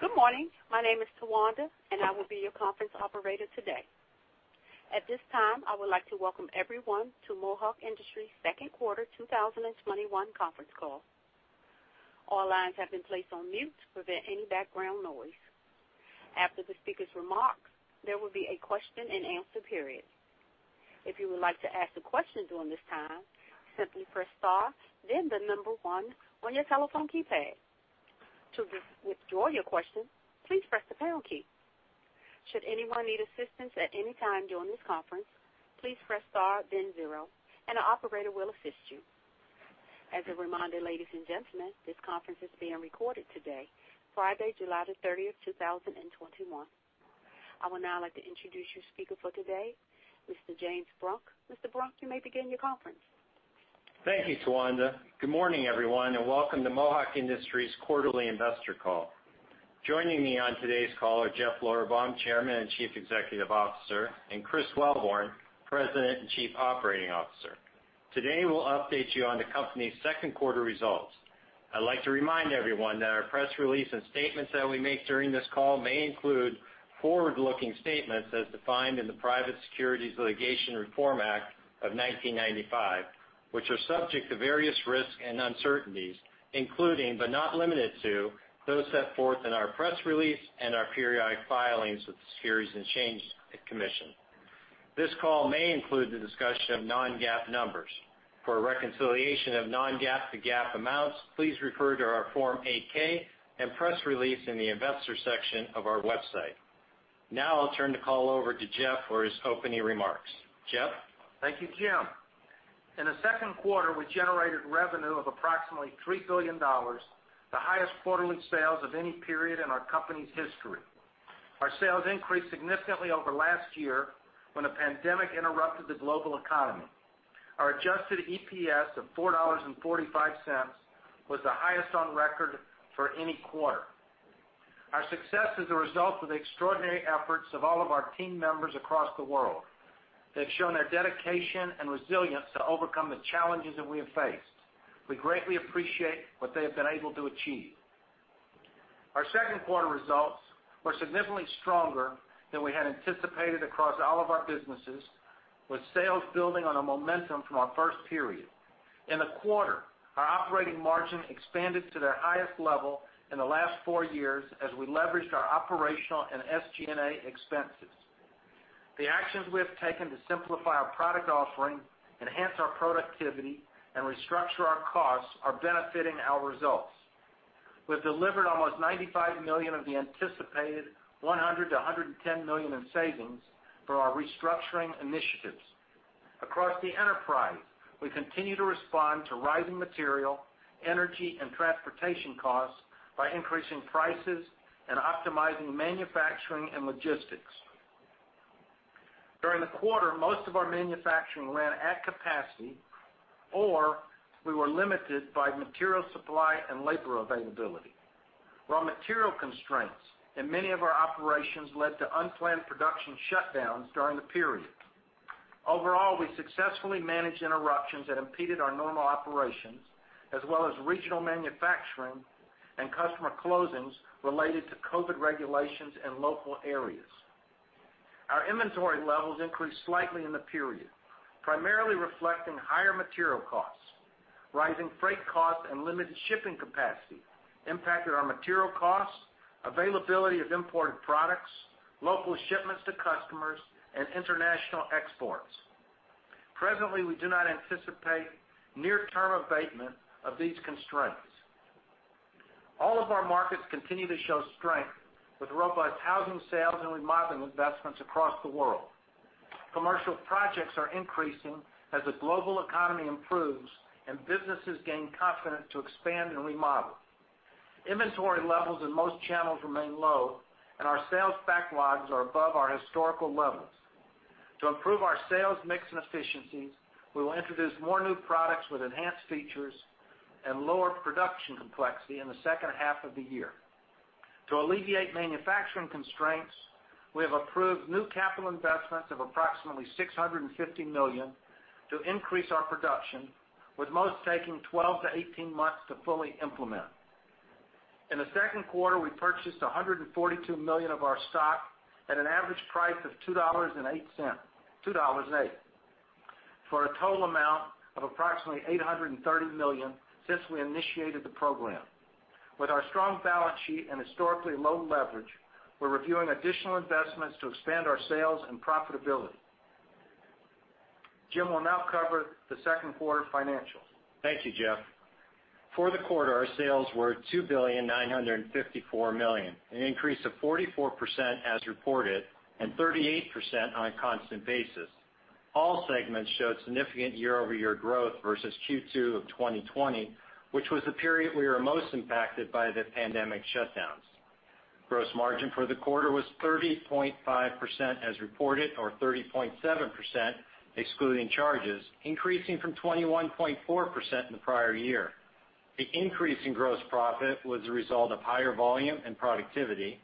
Good morning. My name is Towanda, and I will be your conference operator today. At this time, I would like to welcome everyone to Mohawk Industries' second quarter 2021 conference call. All lines have been placed on mute to prevent any background noise. After the speaker's remarks, there will be a question and answer period. If you would like to ask a question during this time, simply press star, then the number one on your telephone keypad. To withdraw your question, please press the pound key. Should anyone need assistance at any time during this conference, please press star then zero, and an operator will assist you. As a reminder, ladies and gentlemen, this conference is being recorded today, Friday, July the 30th, 2021. I would now like to introduce your speaker for today, Mr. James Brunk. Mr. Brunk, you may begin your conference. Thank you, Towanda. Good morning, everyone, and welcome to Mohawk Industries' quarterly investor call. Joining me on today's call are Jeff Lorberbaum, Chairman and Chief Executive Officer, and Chris Wellborn, President and Chief Operating Officer. Today, we'll update you on the company's second quarter results. I'd like to remind everyone that our press release and statements that we make during this call may include forward-looking statements as defined in the Private Securities Litigation Reform Act of 1995, which are subject to various risks and uncertainties, including, but not limited to, those set forth in our press release and our periodic filings with the Securities and Exchange Commission. This call may include the discussion of non-GAAP numbers. For a reconciliation of non-GAAP to GAAP amounts, please refer to our Form 8-K and press release in the investor section of our website. Now I'll turn the call over to Jeff for his opening remarks. Jeff? Thank you, Jim. In the second quarter, we generated revenue of approximately $3 billion, the highest quarterly sales of any period in our company's history. Our sales increased significantly over last year when the pandemic interrupted the global economy. Our adjusted EPS of $4.45 was the highest on record for any quarter. Our success is a result of the extraordinary efforts of all of our team members across the world. They've shown their dedication and resilience to overcome the challenges that we have faced. We greatly appreciate what they have been able to achieve. Our second quarter results were significantly stronger than we had anticipated across all of our businesses, with sales building on the momentum from our first period. In the quarter, our operating margin expanded to their highest level in the last four years as we leveraged our operational and SG&A expenses. The actions we have taken to simplify our product offering, enhance our productivity, and restructure our costs are benefiting our results. We've delivered almost $95 million of the anticipated $100 million-$110 million in savings for our restructuring initiatives. Across the enterprise, we continue to respond to rising material, energy, and transportation costs by increasing prices and optimizing manufacturing and logistics. During the quarter, most of our manufacturing ran at capacity, or we were limited by material supply and labor availability. Raw material constraints in many of our operations led to unplanned production shutdowns during the period. Overall, we successfully managed interruptions that impeded our normal operations as well as regional manufacturing and customer closings related to COVID regulations in local areas. Our inventory levels increased slightly in the period, primarily reflecting higher material costs. Rising freight costs and limited shipping capacity impacted our material costs, availability of imported products, local shipments to customers, and international exports. Presently, we do not anticipate near-term abatement of these constraints. All of our markets continue to show strength, with robust housing sales and remodeling investments across the world. Commercial projects are increasing as the global economy improves and businesses gain confidence to expand and remodel. Inventory levels in most channels remain low, and our sales backlogs are above our historical levels. To improve our sales mix and efficiencies, we will introduce more new products with enhanced features and lower production complexity in the second half of the year. To alleviate manufacturing constraints, we have approved new capital investments of approximately $650 million to increase our production, with most taking 12-18 months to fully implement. In the second quarter, we purchased $142 million of our stock at an average price of $2.08, for a total amount of approximately $830 million since we initiated the program. With our strong balance sheet and historically low leverage, we're reviewing additional investments to expand our sales and profitability. Jim will now cover the second quarter financials. Thank you, Jeff. For the quarter, our sales were $2.954 billion, an increase of 44% as reported and 38% on a constant basis. All segments showed significant year-over-year growth versus Q2 of 2020, which was the period we were most impacted by the pandemic shutdowns. Gross margin for the quarter was 30.5% as reported, or 30.7% excluding charges, increasing from 21.4% in the prior year. The increase in gross profit was a result of higher volume and productivity,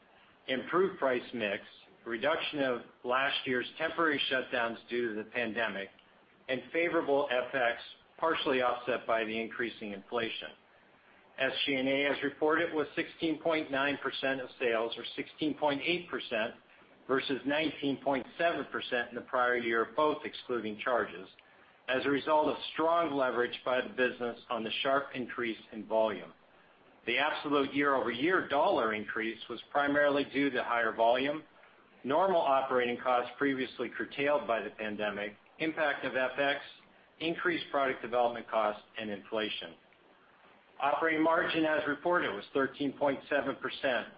improved price mix, reduction of last year's temporary shutdowns due to the pandemic and favorable FX, partially offset by the increasing inflation. SG&A, as reported, was 16.9% of sales, or 16.8%, versus 19.7% in the prior year, both excluding charges, as a result of strong leverage by the business on the sharp increase in volume. The absolute year-over-year dollar increase was primarily due to higher volume, normal operating costs previously curtailed by the pandemic, impact of FX, increased product development costs, and inflation. Operating margin, as reported, was 13.7%,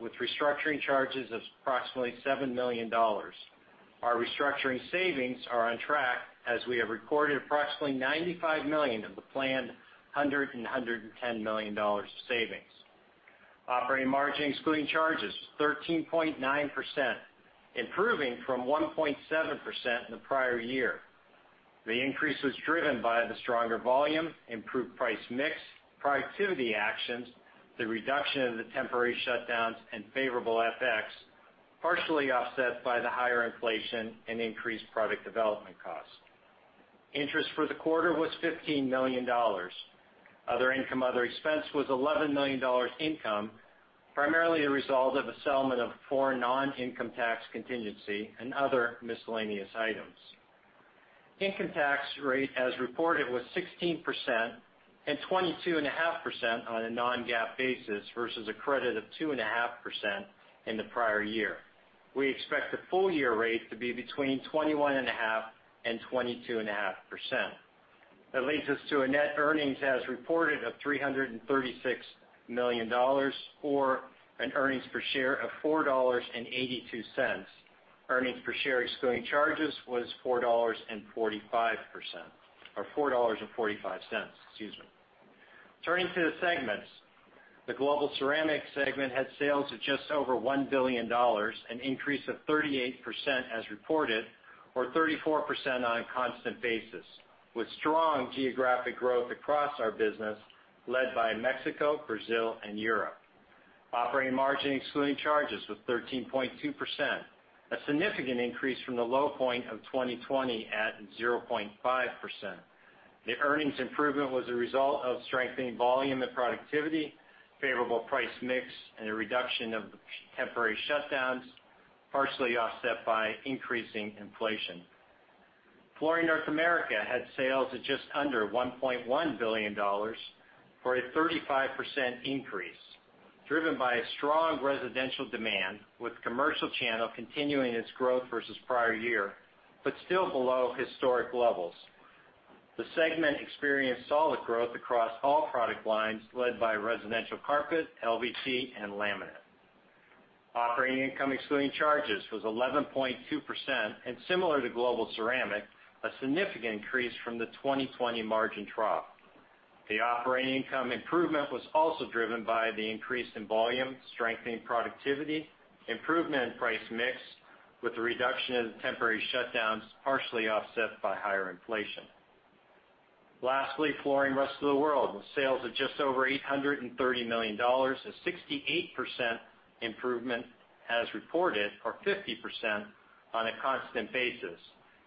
with restructuring charges of approximately $7 million. Our restructuring savings are on track, as we have recorded approximately $95 million of the planned $100 million-$110 million of savings. Operating margin excluding charges, 13.9%, improving from 1.7% in the prior year. The increase was driven by the stronger volume, improved price mix, productivity actions, the reduction of the temporary shutdowns, and favorable FX, partially offset by the higher inflation and increased product development costs. Interest for the quarter was $15 million. Other income, other expense was $11 million income, primarily a result of a settlement of foreign non-income tax contingency and other miscellaneous items. Income tax rate, as reported, was 16% and 22.5% on a non-GAAP basis versus a credit of 2.5% in the prior year. We expect the full-year rate to be between 21.5% and 22.5%. leads us to a net earnings as reported of $336 million, or an earnings per share of $4.82. Earnings per share excluding charges was $4.45. Excuse me. Turning to the segments. The Global Ceramic segment had sales of just over $1 billion, an increase of 38% as reported, or 34% on a constant basis, with strong geographic growth across our business, led by Mexico, Brazil, and Europe. Operating margin excluding charges was 13.2%, a significant increase from the low point of 2020 at 0.5%. The earnings improvement was a result of strengthening volume and productivity, favorable price mix, and a reduction of temporary shutdowns, partially offset by increasing inflation. Flooring North America had sales at just under $1.1 billion for a 35% increase, driven by a strong residential demand, with commercial channel continuing its growth versus prior year, but still below historic levels. The segment experienced solid growth across all product lines, led by residential carpet, LVT, and laminate. Operating income excluding charges was 11.2%, and similar to Global Ceramic, a significant increase from the 2020 margin trough. The operating income improvement was also driven by the increase in volume, strengthening productivity, improvement in price mix, with the reduction in temporary shutdowns partially offset by higher inflation. Lastly, Flooring Rest of the World, with sales of just over $830 million, a 68% improvement as reported, or 50% on a constant basis,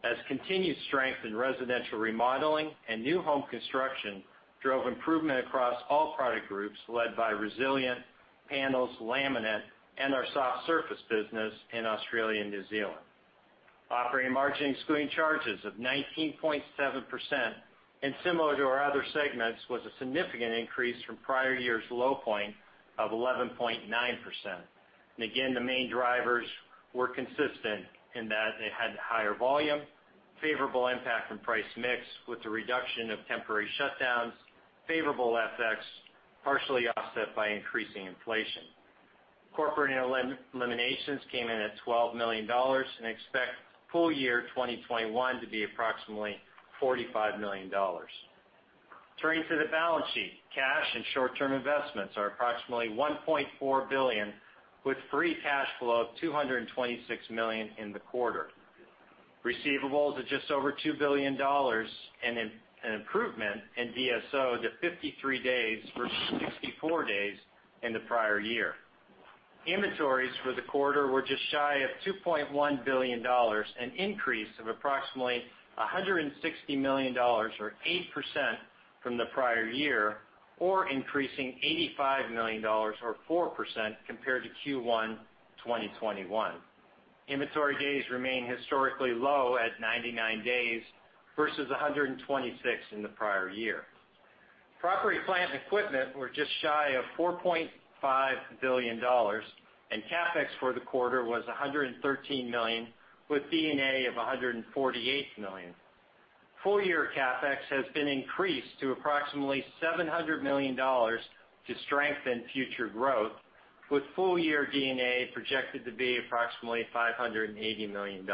as continued strength in residential remodeling and new home construction drove improvement across all product groups, led by resilient panels, laminate, and our soft surface business in Australia and New Zealand. Operating margin excluding charges of 19.7%, and similar to our other segments, was a significant increase from prior year's low point of 11.9%. Again, the main drivers were consistent in that it had higher volume, favorable impact from price mix with the reduction of temporary shutdowns, favorable FX, partially offset by increasing inflation. Corporate eliminations came in at $12 million and expect full year 2021 to be approximately $45 million. Turning to the balance sheet. Cash and short-term investments are approximately $1.4 billion, with free cash flow of $226 million in the quarter. Receivables at just over $2 billion, an improvement in DSO to 53 days versus 64 days in the prior year. Inventories for the quarter were just shy of $2.1 billion, an increase of approximately $160 million or 8% from the prior year, or increasing $85 million or 4% compared to Q1 2021. Inventory days remain historically low at 99 days versus 126 in the prior year. Property, plant, and equipment were just shy of $4.5 billion. CapEx for the quarter was $113 million, with D&A of $148 million. Full-year CapEx has been increased to approximately $700 million to strengthen future growth, with full-year D&A projected to be approximately $580 million.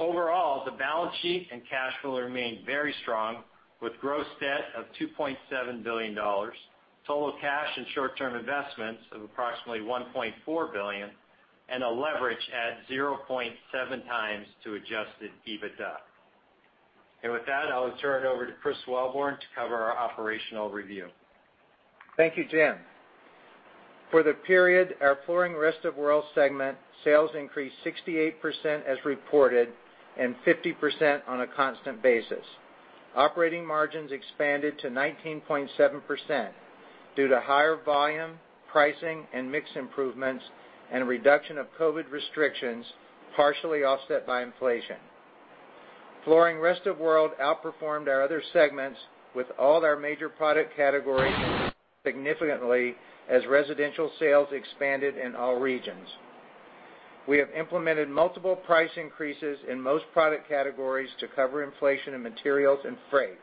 Overall, the balance sheet and cash flow remain very strong, with gross debt of $2.7 billion, total cash and short-term investments of approximately $1.4 billion, and a leverage at 0.7 times to adjusted EBITDA. With that, I'll turn it over to Chris Wellborn to cover our operational review. Thank you, Jim. For the period, our Flooring Rest of World segment sales increased 68% as reported, and 50% on a constant basis. Operating margins expanded to 19.7% due to higher volume, pricing, and mix improvements, and a reduction of COVID restrictions, partially offset by inflation. Flooring Rest of World outperformed our other segments with all our major product categories significantly as residential sales expanded in all regions. We have implemented multiple price increases in most product categories to cover inflation in materials and freight.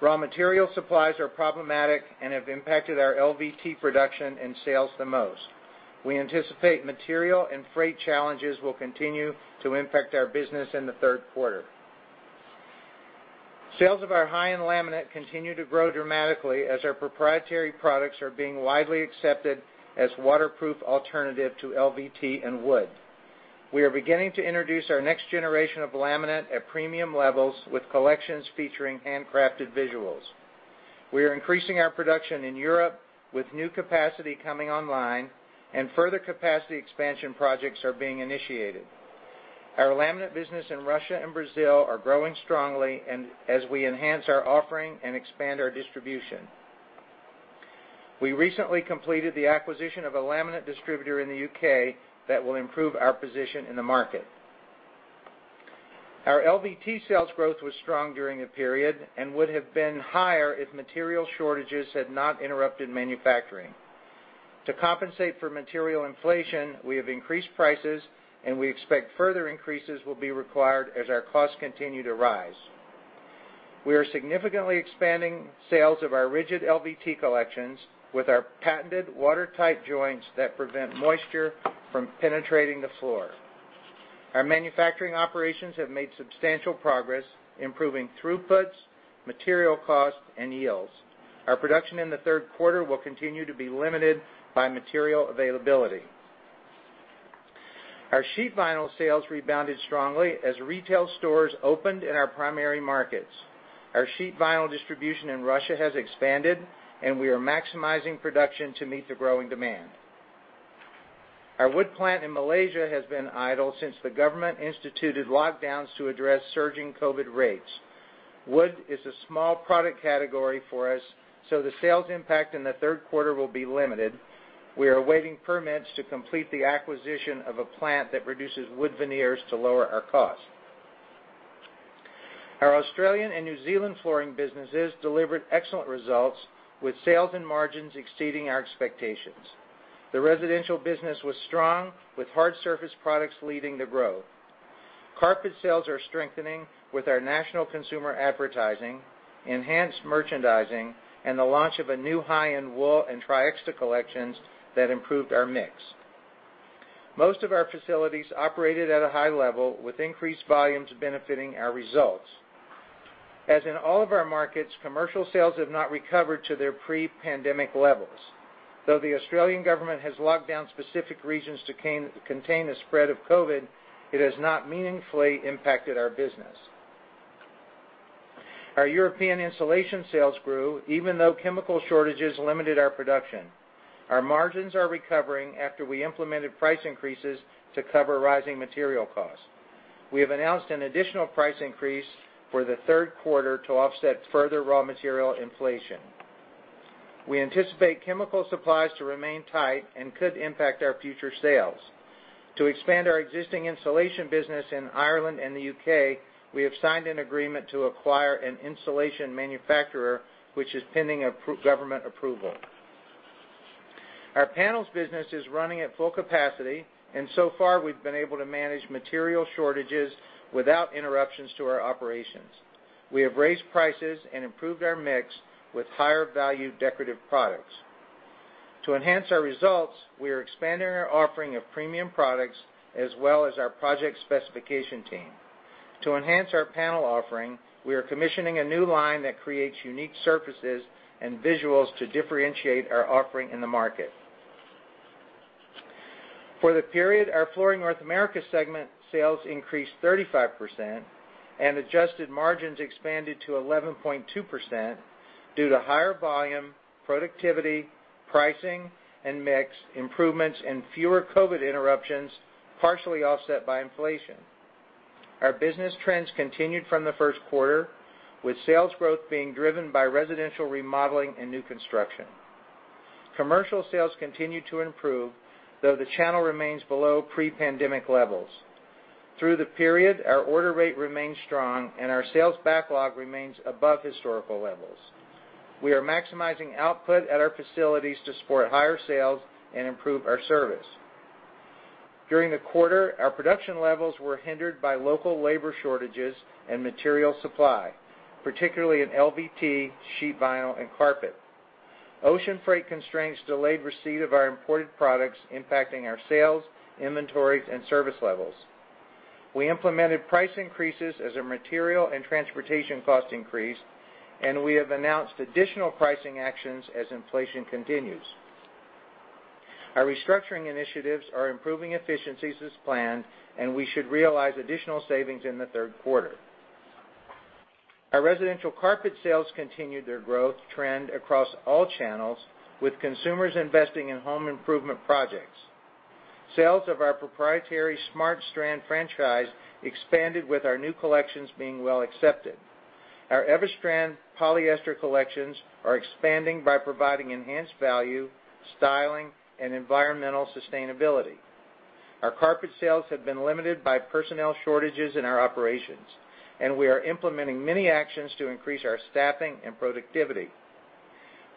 Raw material supplies are problematic and have impacted our LVT production and sales the most. We anticipate material and freight challenges will continue to impact our business in the third quarter. Sales of our high-end laminate continue to grow dramatically as our proprietary products are being widely accepted as waterproof alternative to LVT and wood. We are beginning to introduce our next generation of laminate at premium levels with collections featuring handcrafted visuals. We are increasing our production in Europe with new capacity coming online and further capacity expansion projects are being initiated. Our laminate business in Russia and Brazil are growing strongly as we enhance our offering and expand our distribution. We recently completed the acquisition of a laminate distributor in the U.K. that will improve our position in the market. Our LVT sales growth was strong during the period and would have been higher if material shortages had not interrupted manufacturing. To compensate for material inflation, we have increased prices, and we expect further increases will be required as our costs continue to rise. We are significantly expanding sales of our rigid LVT collections with our patented watertight joints that prevent moisture from penetrating the floor. Our manufacturing operations have made substantial progress, improving throughputs, material cost, and yields. Our production in the third quarter will continue to be limited by material availability. Our sheet vinyl sales rebounded strongly as retail stores opened in our primary markets. Our sheet vinyl distribution in Russia has expanded, and we are maximizing production to meet the growing demand. Our wood plant in Malaysia has been idle since the government instituted lockdowns to address surging COVID rates. Wood is a small product category for us, so the sales impact in the third quarter will be limited. We are awaiting permits to complete the acquisition of a plant that produces wood veneers to lower our cost. Our Australian and New Zealand flooring businesses delivered excellent results with sales and margins exceeding our expectations. The residential business was strong with hard surface products leading the growth. Carpet sales are strengthening with our national consumer advertising, enhanced merchandising, and the launch of a new high-end wool and triexta collections that improved our mix. Most of our facilities operated at a high level with increased volumes benefiting our results. As in all of our markets, commercial sales have not recovered to their pre-pandemic levels. Though the Australian government has locked down specific regions to contain the spread of COVID, it has not meaningfully impacted our business. Our European insulation sales grew even though chemical shortages limited our production. Our margins are recovering after we implemented price increases to cover rising material costs. We have announced an additional price increase for the third quarter to offset further raw material inflation. We anticipate chemical supplies to remain tight and could impact our future sales. To expand our existing insulation business in Ireland and the U.K., we have signed an agreement to acquire an insulation manufacturer, which is pending government approval. Our panels business is running at full capacity, and so far, we've been able to manage material shortages without interruptions to our operations. We have raised prices and improved our mix with higher value decorative products. To enhance our results, we are expanding our offering of premium products as well as our project specification team. To enhance our panel offering, we are commissioning a new line that creates unique surfaces and visuals to differentiate our offering in the market. For the period, our Flooring North America segment sales increased 35% and adjusted margins expanded to 11.2% due to higher volume, productivity, pricing, and mix improvements, and fewer COVID interruptions, partially offset by inflation. Our business trends continued from the first quarter, with sales growth being driven by residential remodeling and new construction. Commercial sales continue to improve, though the channel remains below pre-pandemic levels. Through the period, our order rate remained strong and our sales backlog remains above historical levels. We are maximizing output at our facilities to support higher sales and improve our service. During the quarter, our production levels were hindered by local labor shortages and material supply, particularly in LVT, sheet vinyl, and carpet. Ocean freight constraints delayed receipt of our imported products, impacting our sales, inventories, and service levels. We implemented price increases as our material and transportation costs increased, and we have announced additional pricing actions as inflation continues. Our restructuring initiatives are improving efficiencies as planned, and we should realize additional savings in the third quarter. Our residential carpet sales continued their growth trend across all channels, with consumers investing in home improvement projects. Sales of our proprietary SmartStrand franchise expanded with our new collections being well accepted. Our EverStrand polyester collections are expanding by providing enhanced value, styling, and environmental sustainability. Our carpet sales have been limited by personnel shortages in our operations, and we are implementing many actions to increase our staffing and productivity.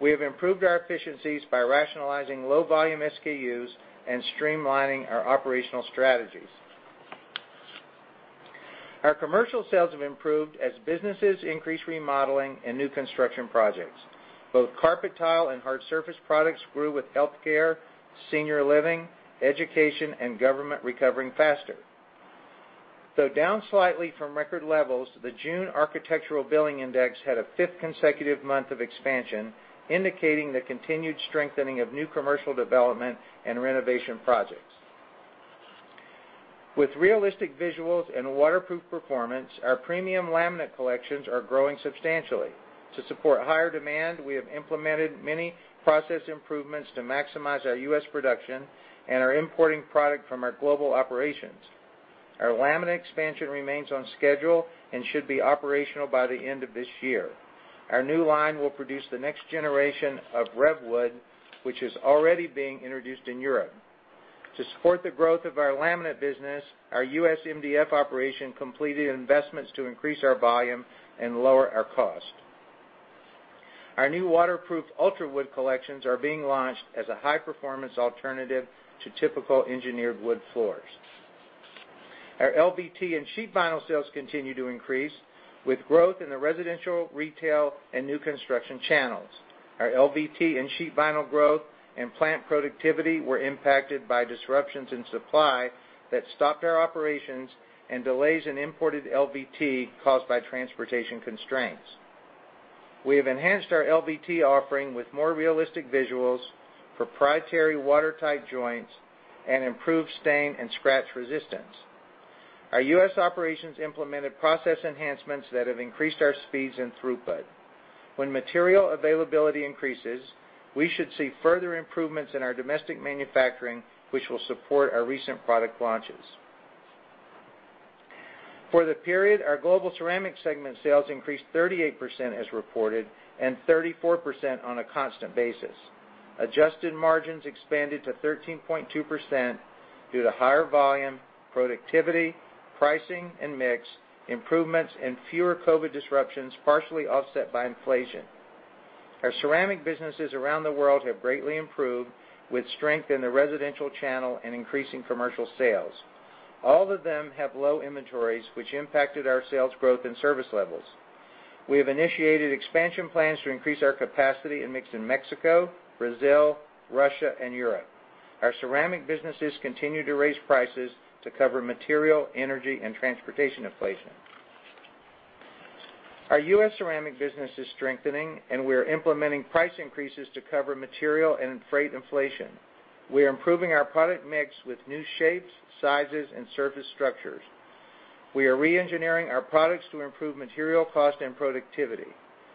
We have improved our efficiencies by rationalizing low-volume SKUs and streamlining our operational strategies. Our commercial sales have improved as businesses increase remodeling and new construction projects. Both carpet tile and hard surface products grew, with healthcare, senior living, education, and government recovering faster. Though down slightly from record levels, the June Architectural Billings Index had a fifth consecutive month of expansion, indicating the continued strengthening of new commercial development and renovation projects. With realistic visuals and waterproof performance, our premium laminate collections are growing substantially. To support higher demand, we have implemented many process improvements to maximize our U.S. production and are importing product from our global operations. Our laminate expansion remains on schedule and should be operational by the end of this year. Our new line will produce the next generation of RevWood, which is already being introduced in Europe. To support the growth of our laminate business, our U.S. MDF operation completed investments to increase our volume and lower our cost. Our new waterproof UltraWood collections are being launched as a high-performance alternative to typical engineered wood floors. Our LVT and sheet vinyl sales continue to increase, with growth in the residential, retail, and new construction channels. Our LVT and sheet vinyl growth and plant productivity were impacted by disruptions in supply that stopped our operations and delays in imported LVT caused by transportation constraints. We have enhanced our LVT offering with more realistic visuals, proprietary watertight joints, and improved stain and scratch resistance. Our U.S. operations implemented process enhancements that have increased our speeds and throughput. When material availability increases, we should see further improvements in our domestic manufacturing, which will support our recent product launches. For the period, our Global Ceramic segment sales increased 38% as reported and 34% on a constant basis. Adjusted margins expanded to 13.2% due to higher volume, productivity, pricing and mix improvements, and fewer COVID disruptions, partially offset by inflation. Our ceramic businesses around the world have greatly improved, with strength in the residential channel and increasing commercial sales. All of them have low inventories, which impacted our sales growth and service levels. We have initiated expansion plans to increase our capacity and mix in Mexico, Brazil, Russia, and Europe. Our ceramic businesses continue to raise prices to cover material, energy, and transportation inflation. Our U.S. ceramic business is strengthening, and we are implementing price increases to cover material and freight inflation. We are improving our product mix with new shapes, sizes, and surface structures. We are re-engineering our products to improve material cost and productivity.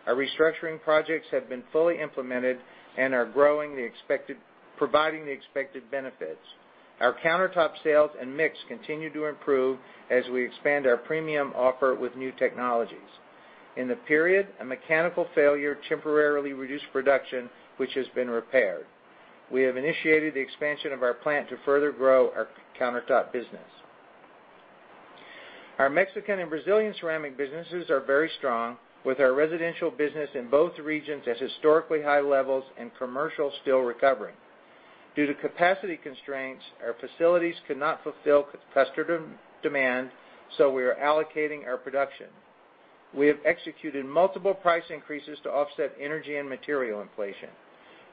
Our restructuring projects have been fully implemented and are providing the expected benefits. Our countertop sales and mix continue to improve as we expand our premium offer with new technologies. In the period, a mechanical failure temporarily reduced production, which has been repaired. We have initiated the expansion of our plant to further grow our countertop business. Our Mexican and Brazilian ceramic businesses are very strong, with our residential business in both regions at historically high levels and commercial still recovering. Due to capacity constraints, our facilities could not fulfill customer demand, so we are allocating our production. We have executed multiple price increases to offset energy and material inflation.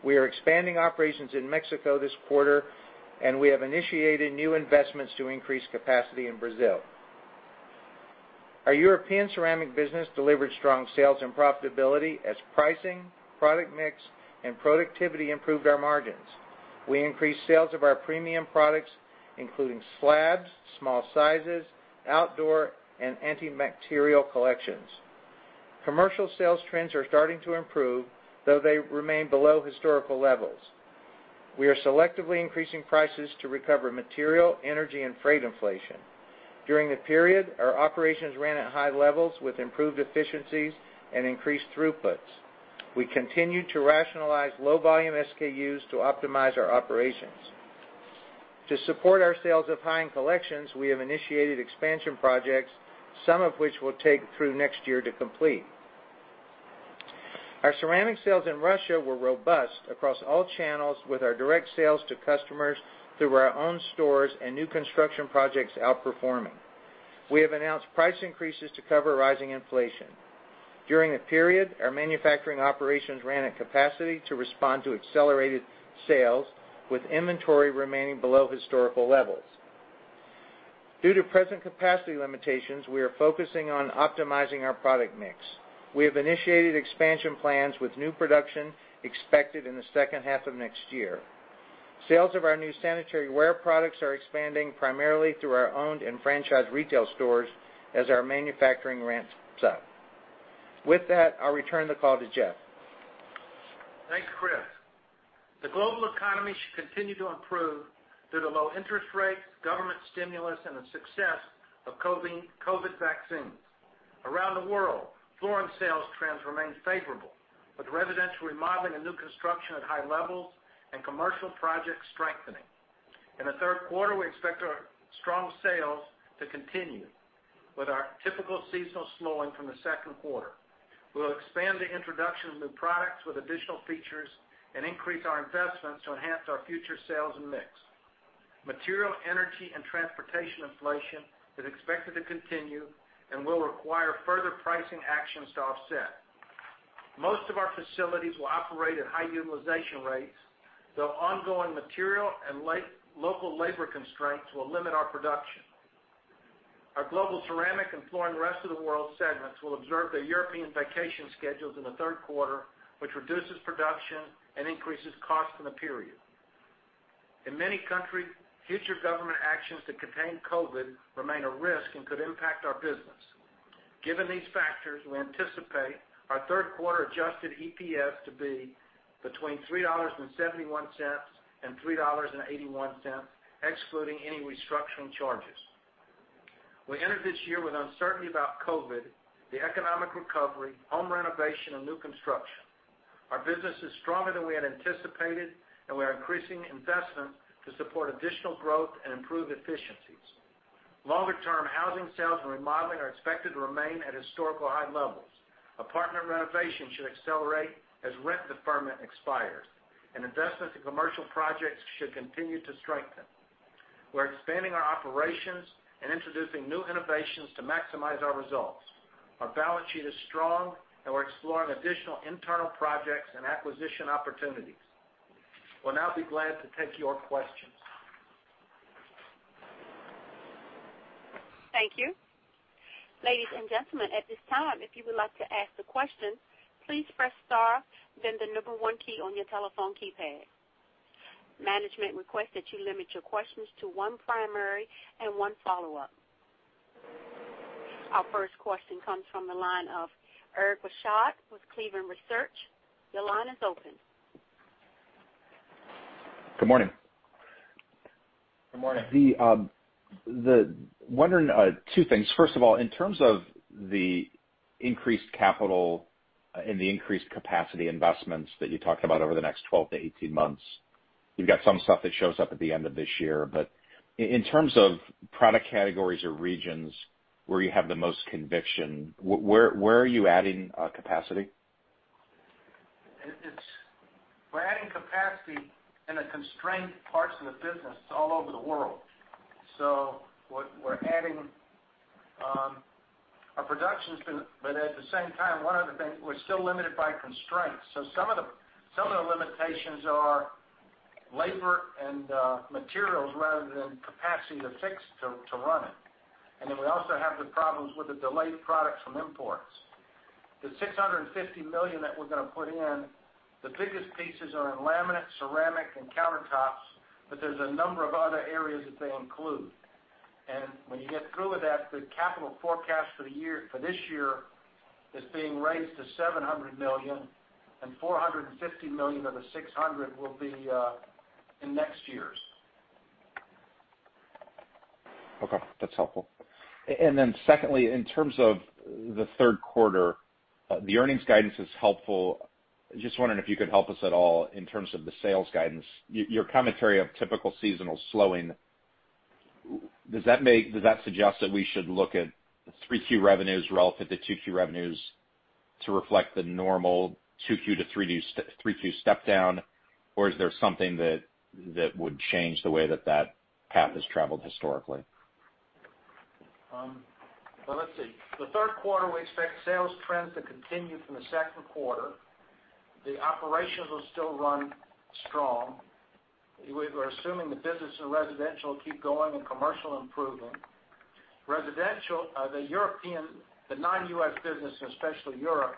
We are expanding operations in Mexico this quarter, and we have initiated new investments to increase capacity in Brazil. Our European ceramic business delivered strong sales and profitability as pricing, product mix, and productivity improved our margins. We increased sales of our premium products, including slabs, small sizes, outdoor, and antimicrobial collections. Commercial sales trends are starting to improve, though they remain below historical levels. We are selectively increasing prices to recover material, energy, and freight inflation. During the period, our operations ran at high levels with improved efficiencies and increased throughputs. We continued to rationalize low-volume SKUs to optimize our operations. To support our sales of high-end collections, we have initiated expansion projects, some of which will take through next year to complete. Our ceramic sales in Russia were robust across all channels, with our direct sales to customers through our own stores and new construction projects outperforming. We have announced price increases to cover rising inflation. During the period, our manufacturing operations ran at capacity to respond to accelerated sales, with inventory remaining below historical levels. Due to present capacity limitations, we are focusing on optimizing our product mix. We have initiated expansion plans with new production expected in the second half of next year. Sales of our new sanitary ware products are expanding primarily through our owned and franchised retail stores as our manufacturing ramps up. With that, I'll return the call to Jeff. Thanks, Chris. The global economy should continue to improve through the low interest rates, government stimulus, and the success of COVID vaccines. Around the world, flooring sales trends remain favorable, with residential remodeling and new construction at high levels, and commercial projects strengthening. In the third quarter, we expect our strong sales to continue with our typical seasonal slowing from the second quarter. We'll expand the introduction of new products with additional features and increase our investments to enhance our future sales and mix. Material energy and transportation inflation is expected to continue and will require further pricing actions to offset. Most of our facilities will operate at high utilization rates, though ongoing material and local labor constraints will limit our production. Our Global Ceramic and Flooring Rest of the World segments will observe the European vacation schedules in the third quarter, which reduces production and increases cost in the period. In many countries, future government actions to contain COVID remain a risk and could impact our business. Given these factors, we anticipate our third quarter adjusted EPS to be between $3.71 and $3.81, excluding any restructuring charges. We entered this year with uncertainty about COVID, the economic recovery, home renovation, and new construction. Our business is stronger than we had anticipated, and we are increasing investment to support additional growth and improve efficiencies. Longer-term housing sales and remodeling are expected to remain at historical high levels. Apartment renovation should accelerate as rent deferment expires, and investments in commercial projects should continue to strengthen. We're expanding our operations and introducing new innovations to maximize our results. Our balance sheet is strong, and we're exploring additional internal projects and acquisition opportunities. We'll now be glad to take your questions. Thank you. Ladies and gentlemen, at this time, if you would like to ask a question, please press star then the number one key on your telephone keypad. Management requests that you limit your questions to one primary and one follow-up. Our first question comes from the line of Eric Bosshard with Cleveland Research. Your line is open. Good morning. Good morning. Wondering two things. First of all, in terms of the increased capital and the increased capacity investments that you talked about over the next 12-18 months, you've got some stuff that shows up at the end of this year. In terms of product categories or regions where you have the most conviction, where are you adding capacity? We're adding capacity in the constrained parts of the business all over the world. We're adding our production, but at the same time, one of the things, we're still limited by constraints. Some of the limitations are labor and materials rather than capacity to fix to run it. Then we also have the problems with the delayed products from imports. The $650 million that we're going to put in, the biggest pieces are in laminate, ceramic, and countertops, but there's a number of other areas that they include. When you get through with that, the capital forecast for this year is being raised to $700 million, and $450 million of the $600 will be in next year's. Okay. That's helpful. Secondly, in terms of the third quarter, the earnings guidance is helpful. Just wondering if you could help us at all in terms of the sales guidance. Your commentary of typical seasonal slowing, does that suggest that we should look at the 3Q revenues relative to 2Q revenues to reflect the normal 2Q to 3Q step-down, or is there something that would change the way that path has traveled historically? Well, let's see. The third quarter, we expect sales trends to continue from the second quarter. The operations will still run strong. We're assuming the business and residential will keep going and commercial improving. Residential, the European, the non-U.S. business, especially Europe,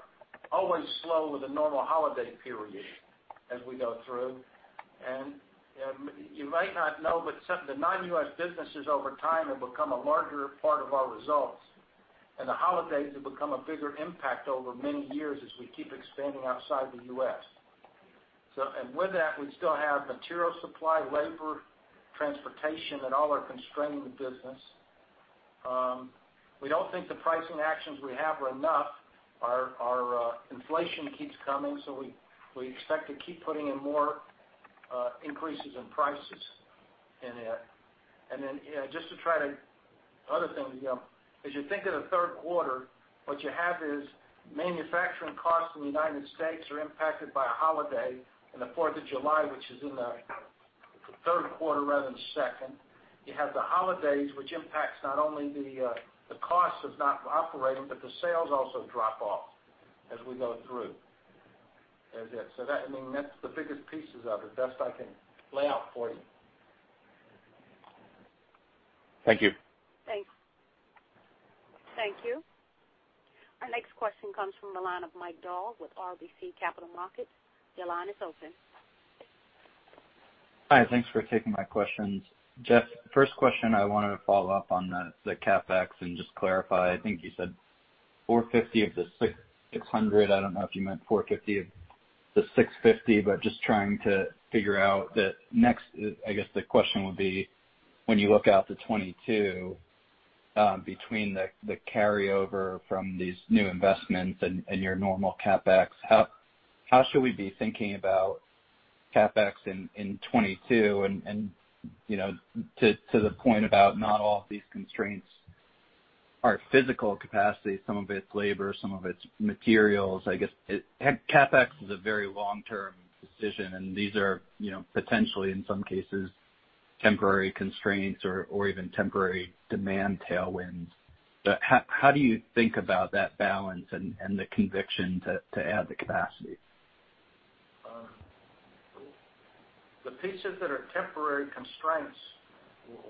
always slow with the normal holiday period as we go through. You might not know, but the non-U.S. businesses over time have become a larger part of our results. The holidays have become a bigger impact over many years as we keep expanding outside the U.S. And with that, we still have material supply, labor, transportation, and all are constraining the business. We don't think the pricing actions we have are enough. Our inflation keeps coming, so we expect to keep putting in more increases in prices in it. Another thing, as you think of the third quarter, what you have is manufacturing costs in the U.S. are impacted by a holiday in the 4th of July, which is in the third quarter rather than second. You have the holidays, which impacts not only the cost of not operating, but the sales also drop off as we go through. That's the biggest pieces of it. Best I can lay out for you Thank you. Thanks. Thank you. Our next question comes from the line of Mike Dahl with RBC Capital Markets. Your line is open. Hi. Thanks for taking my questions. Jeff, first question, I wanted to follow up on the CapEx and just clarify. I think you said $450 million of the $600 million. I don't know if you meant $450 million of the $650 million, but just trying to figure out the next, I guess the question would be, when you look out to 2022, between the carryover from these new investments and your normal CapEx, how should we be thinking about CapEx in 2022? To the point about not all of these constraints are physical capacity, some of it's labor, some of it's materials. I guess, CapEx is a very long-term decision, and these are potentially, in some cases, temporary constraints or even temporary demand tailwinds. How do you think about that balance and the conviction to add the capacity? The pieces that are temporary constraints,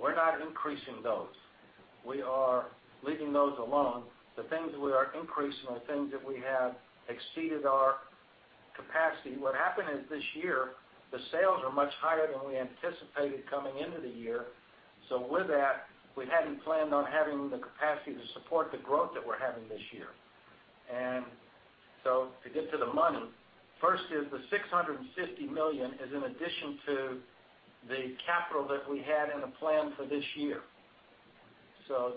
we're not increasing those. We are leaving those alone. The things we are increasing are things that we have exceeded our capacity. What happened is this year, the sales are much higher than we anticipated coming into the year. With that, we hadn't planned on having the capacity to support the growth that we're having this year. To get to the money, first is the $650 million is in addition to the capital that we had in the plan for this year.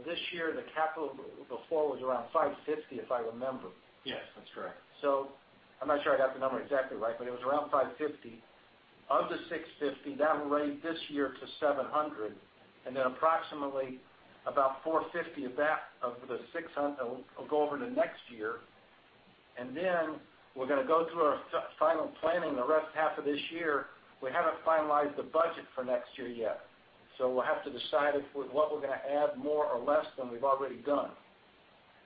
This year, the capital before was around $550 million, if I remember. Yes, that's correct. I'm not sure I got the number exactly right, but it was around $550 million. Of the $650 million, that will raise this year to $700 million, approximately about $450 million of the $600 million will go over to next year. We're going to go through our final planning the rest half of this year. We haven't finalized the budget for next year yet. We'll have to decide if what we're going to add more or less than we've already done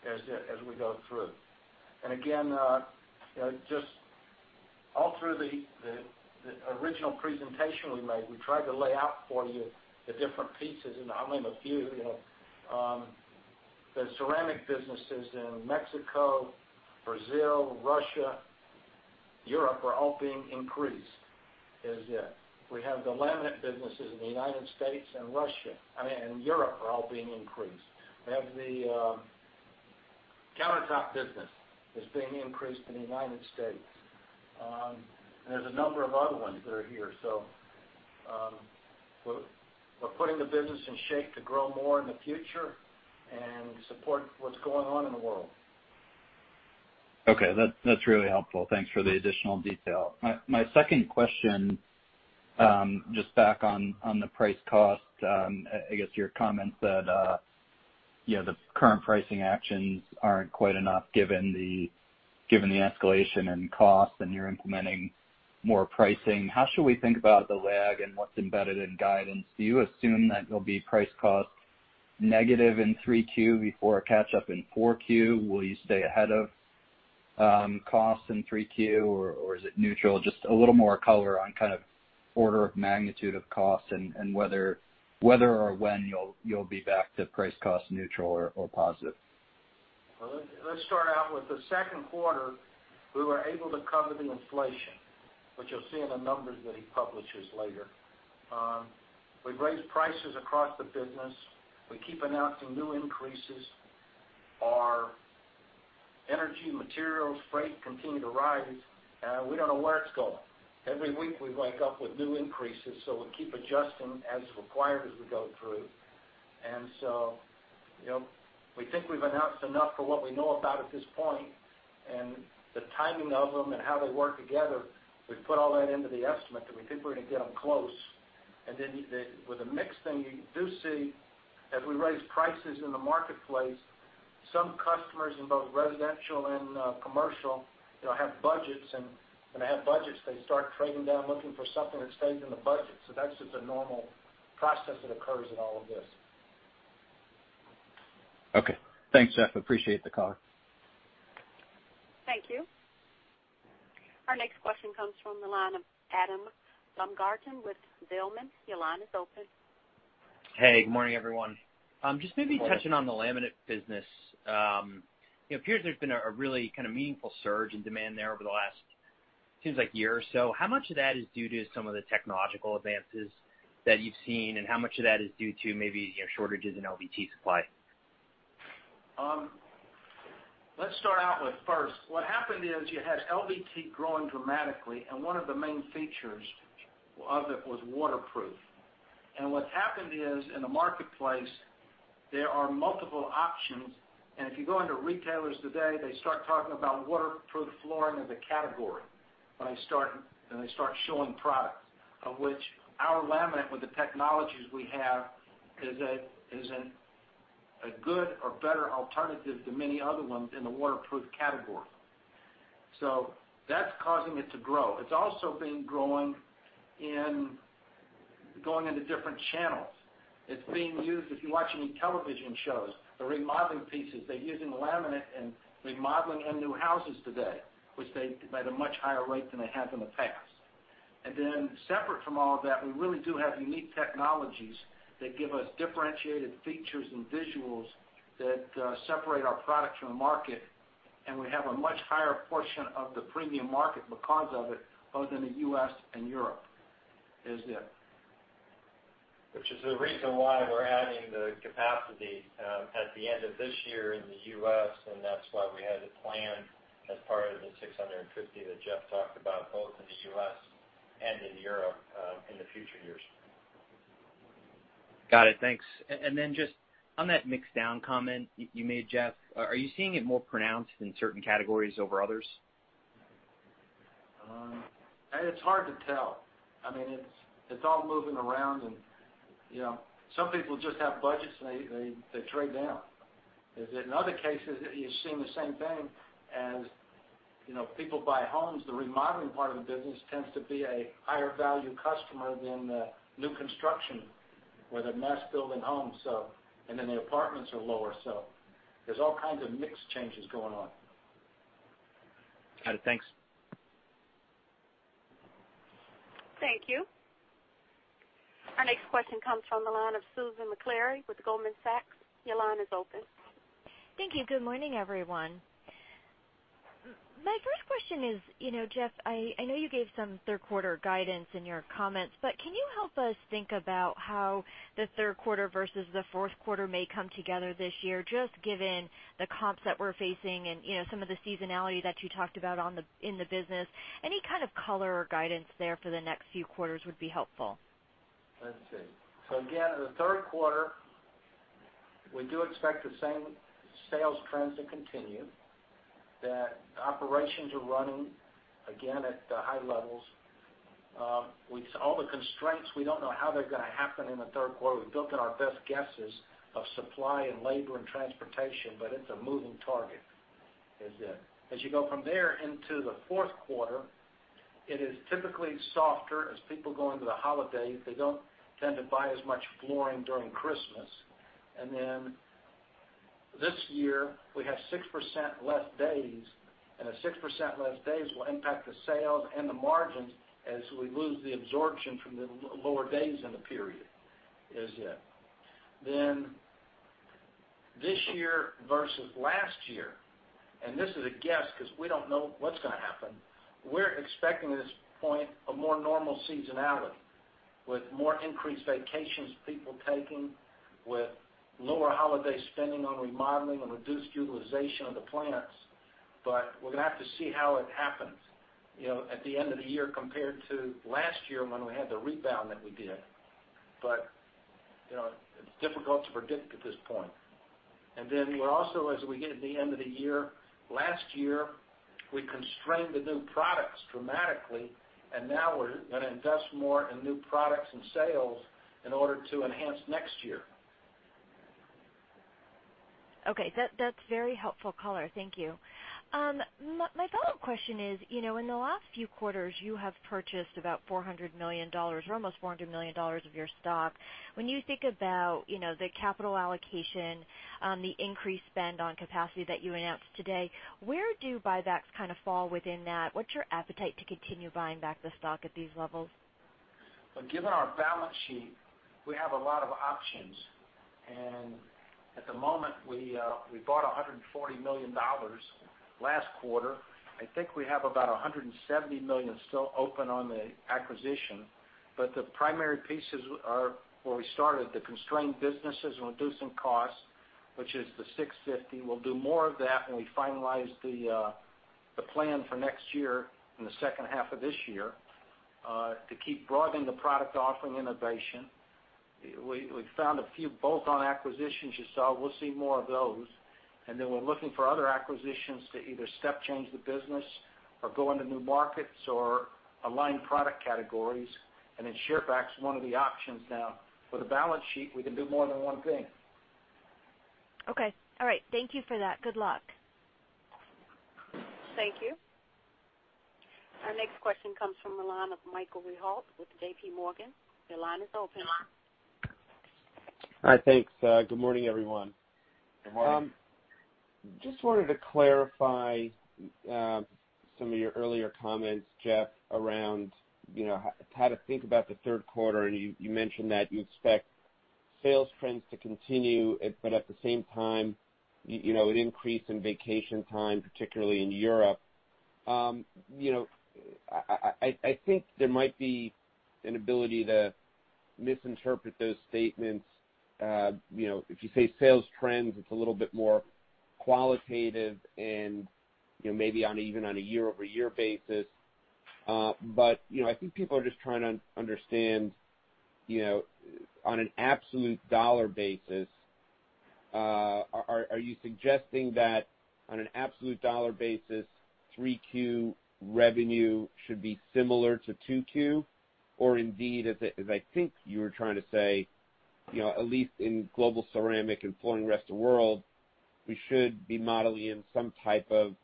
as we go through. Again, just all through the original presentation we made, we tried to lay out for you the different pieces, and I'll name a few. The ceramic businesses in Mexico, Brazil, Russia, Europe are all being increased. We have the laminate businesses in the United States and Russia, I mean, and Europe are all being increased. We have the countertop business that's being increased in the United States. There's a number of other ones that are here. We're putting the business in shape to grow more in the future and support what's going on in the world. Okay. That's really helpful. Thanks for the additional detail. My second question, just back on the price cost, I guess your comment that the current pricing actions aren't quite enough given the escalation in costs. You're implementing more pricing. How should we think about the lag and what's embedded in guidance? Do you assume that you'll be price cost negative in Q3 before a catch-up in Q4? Will you stay ahead of costs in Q3, or is it neutral? Just a little more color on kind of order of magnitude of costs and whether or when you'll be back to price cost neutral or positive. Well, let's start out with the second quarter, we were able to cover the inflation, which you'll see in the numbers that he publishes later. We've raised prices across the business. We keep announcing new increases. Our energy materials, freight continue to rise. We don't know where it's going. Every week we wake up with new increases, so we keep adjusting as required as we go through. We think we've announced enough for what we know about at this point, and the timing of them and how they work together, we put all that into the estimate, and we think we're going to get them close. Then with the mix thing, you do see as we raise prices in the marketplace, some customers in both residential and commercial have budgets, and when they have budgets they start trading down looking for something that stays in the budget. That's just a normal process that occurs in all of this. Okay. Thanks, Jeff. Appreciate the call. Thank you. Our next question comes from the line of Adam Baumgarten with Zelman. Your line is open. Hey, good morning, everyone. Good morning. Just maybe touching on the laminate business. It appears there's been a really kind of meaningful surge in demand there over the last, seems like year or so. How much of that is due to some of the technological advances that you've seen, and how much of that is due to maybe shortages in LVT supply? Let's start out with first, what happened is you had LVT growing dramatically, and one of the main features of it was waterproof. What's happened is in the marketplace, there are multiple options, and if you go into retailers today, they start talking about waterproof flooring as a category, and they start showing products, of which our laminate with the technologies we have is a good or better alternative to many other ones in the waterproof category. That's causing it to grow. It's also been growing in going into different channels. It's being used, if you watch any television shows, the remodeling pieces, they're using laminate and remodeling in new houses today, which they at a much higher rate than they have in the past. Separate from all of that, we really do have unique technologies that give us differentiated features and visuals that separate our product from the market, and we have a much higher portion of the premium market because of it, both in the U.S. and Europe. Which is the reason why we're adding the capacity at the end of this year in the U.S. and that's why we had to plan as part of the $650 that Jeff talked about, both in the U.S. and in Europe, in the future years. Got it. Thanks. Then just on that mix down comment you made, Jeff, are you seeing it more pronounced in certain categories over others? It's hard to tell. It's all moving around, and some people just have budgets and they trade down. In other cases, you're seeing the same thing as people buy homes, the remodeling part of the business tends to be a higher value customer than the new construction where they're mass building homes, and then the apartments are lower. There's all kinds of mix changes going on. Got it. Thanks. Thank you. Our next question comes from the line of Susan Maklari with Goldman Sachs. Your line is open. Thank you. Good morning, everyone. My first question is, Jeff, I know you gave some third quarter guidance in your comments. Can you help us think about how the third quarter versus the fourth quarter may come together this year, just given the comps that we're facing and some of the seasonality that you talked about in the business. Any kind of color or guidance there for the next few quarters would be helpful. Let's see. Again, in the third quarter, we do expect the same sales trends to continue. That operations are running again at high levels. With all the constraints, we don't know how they're going to happen in the third quarter. We've built in our best guesses of supply and labor and transportation, but it's a moving target. Is it. As you go from there into the fourth quarter, it is typically softer as people go into the holiday. They don't tend to buy as much flooring during Christmas. Then this year, we have 6% less days, and a 6% less days will impact the sales and the margins as we lose the absorption from the lower days in the period. Is it. This year versus last year, and this is a guess because we don't know what's going to happen, we're expecting at this point, a more normal seasonality with more increased vacations people taking, with lower holiday spending on remodeling and reduced utilization of the plants. We're going to have to see how it happens at the end of the year compared to last year when we had the rebound that we did. It's difficult to predict at this point. We're also, as we get to the end of the year, last year, we constrained the new products dramatically, and now we're going to invest more in new products and sales in order to enhance next year. Okay. That's very helpful color. Thank you. My follow-up question is, in the last few quarters, you have purchased about $400 million, or almost $400 million of your stock. When you think about the capital allocation, the increased spend on capacity that you announced today, where do buybacks kind of fall within that? What's your appetite to continue buying back the stock at these levels? Well, given our balance sheet, we have a lot of options. At the moment, we bought $140 million last quarter. I think we have about $170 million still open on the acquisition. The primary pieces are where we started, the constrained businesses and reducing costs, which is the 650. We'll do more of that when we finalize the plan for next year in the second half of this year to keep broadening the product offering innovation. We found a few bolt-on acquisitions you saw. We'll see more of those. We're looking for other acquisitions to either step change the business or go into new markets or align product categories. Share buyback's one of the options now. With a balance sheet, we can do more than one thing. Okay. All right. Thank you for that. Good luck. Thank you. Our next question comes from the line of Michael Rehaut with JPMorgan. Your line is open. Hi. Thanks. Good morning, everyone. Good morning. Just wanted to clarify some of your earlier comments, Jeff, around how to think about the third quarter. You mentioned that you expect sales trends to continue, at the same time, an increase in vacation time, particularly in Europe. I think there might be an ability to misinterpret those statements. If you say sales trends, it's a little bit more qualitative and maybe even on a year-over-year basis. I think people are just trying to understand, on an absolute dollar basis, are you suggesting that on an absolute dollar basis, 3Q revenue should be similar to 2Q, or indeed, as I think you were trying to say, at least in Global Ceramic and Flooring Rest of World, we should be modeling in some type of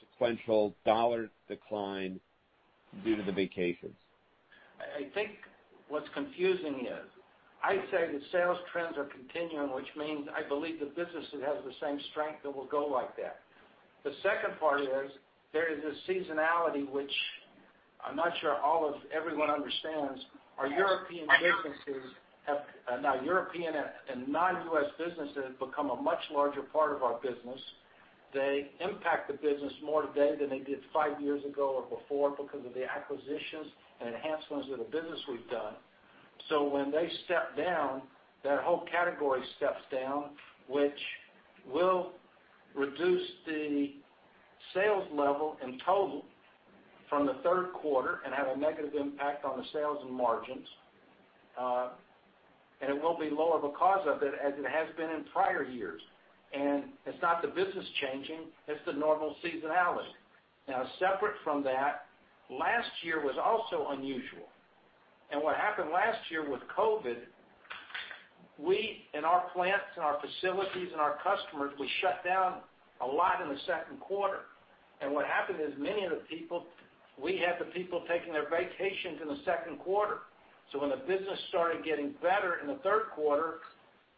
sequential dollar decline due to the vacations? I think what's confusing is, I say the sales trends are continuing, which means I believe the business has the same strength, it will go like that. The second part is there is a seasonality, which I'm not sure everyone understands. Now European and non-U.S. businesses have become a much larger part of our business. They impact the business more today than they did five years ago or before because of the acquisitions and enhancements to the business we've done. When they step down, that whole category steps down, which will reduce the sales level in total from the third quarter and have a negative impact on the sales and margins. It will be lower because of it, as it has been in prior years. It's not the business changing, it's the normal seasonality. Now separate from that, last year was also unusual. What happened last year with COVID, we, in our plants and our facilities and our customers, we shut down a lot in the second quarter. What happened is many of the people, we had the people taking their vacations in the second quarter. When the business started getting better in the third quarter,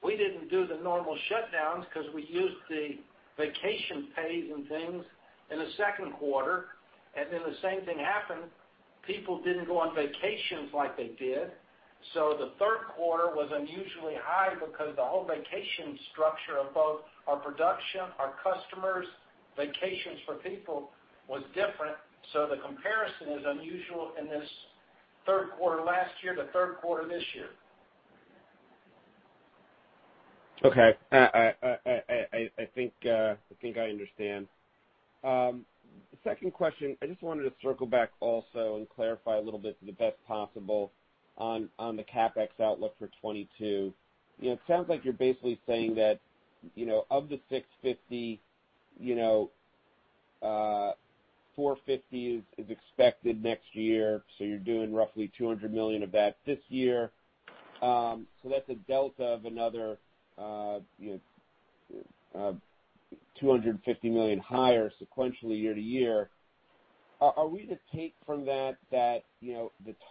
we didn't do the normal shutdowns because we used the vacation pays and things in the second quarter, and then the same thing happened. People didn't go on vacations like they did. The third quarter was unusually high because the whole vacation structure of both our production, our customers, vacations for people was different. The comparison is unusual in this third quarter last year to third quarter this year. Okay. I think I understand. The second question, I just wanted to circle back also and clarify a little bit to the best possible on the CapEx outlook for 2022. It sounds like you're basically saying that, of the 650, 450 is expected next year, so you're doing roughly $200 million of that this year. That's a delta of another, $250 million higher sequentially year-to-year. Are we to take from that the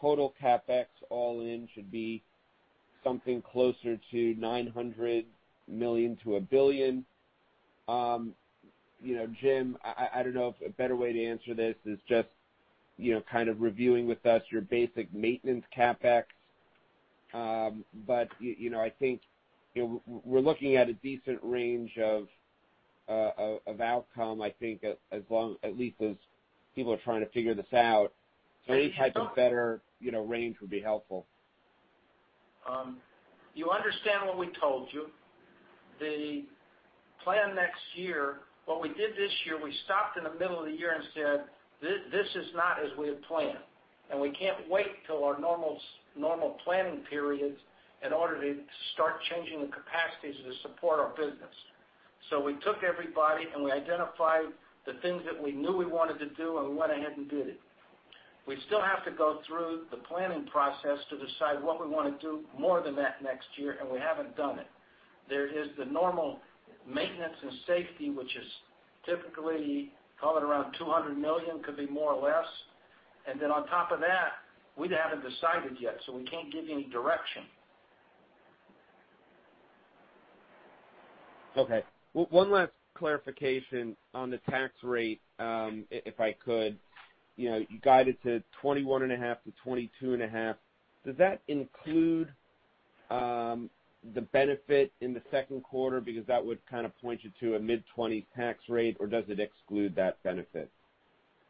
total CapEx all-in should be something closer to $900 million-$1 billion? Jim, I don't know if a better way to answer this is just kind of reviewing with us your basic maintenance CapEx. I think we're looking at a decent range of outcome, at least as people are trying to figure this out. Any type of better range would be helpful. You understand what we told you. What we did this year, we stopped in the middle of the year and said, "This is not as we had planned, and we can't wait till our normal planning periods in order to start changing the capacities to support our business." We took everybody, and we identified the things that we knew we wanted to do, and we went ahead and did it. We still have to go through the planning process to decide what we want to do more than that next year, and we haven't done it. There is the normal maintenance and safety, which is typically, call it around $200 million, could be more or less. On top of that, we haven't decided yet, so we can't give you any direction. Okay. One last clarification on the tax rate, if I could. You guided to 21.5%-22.5%. Does that include the benefit in the second quarter? Because that would kind of point you to a mid-20 tax rate, or does it exclude that benefit?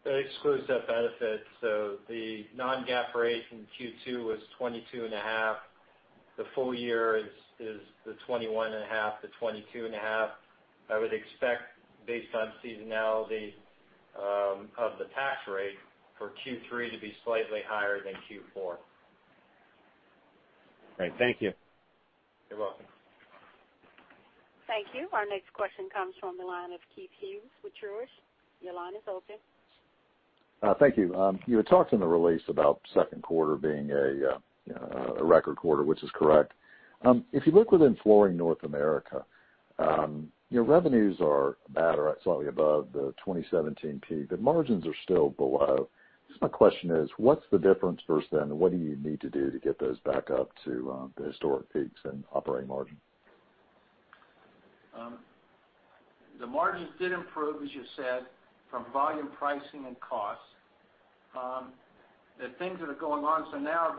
It excludes that benefit. The non-GAAP rate from Q2 was 22.5%. The full year is the 21.5%-22.5%. I would expect based on seasonality of the tax rate for Q3 to be slightly higher than Q4. Great. Thank you. You're welcome. Thank you. Our next question comes from the line of Keith Hughes with Truist. Your line is open. Thank you. You had talked in the release about second quarter being a record quarter, which is correct. If you look within Flooring North America, your revenues are about or slightly above the 2017 peak, but margins are still below. My question is, what's the difference versus then? What do you need to do to get those back up to the historic peaks in operating margin? The margins did improve, as you said, from volume pricing and costs. The things that are going on, now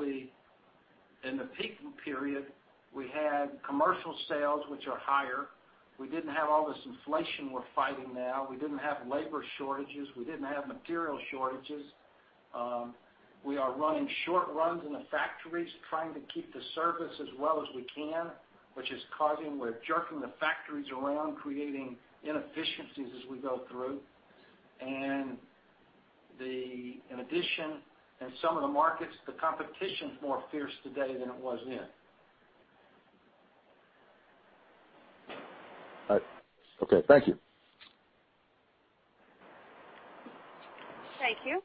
in the peaking period, we had commercial sales, which are higher. We didn't have all this inflation we're fighting now. We didn't have labor shortages. We didn't have material shortages. We are running short runs in the factories trying to keep the service as well as we can. We're jerking the factories around, creating inefficiencies as we go through. In addition, in some of the markets, the competition's more fierce today than it was then. Okay. Thank you. Thank you.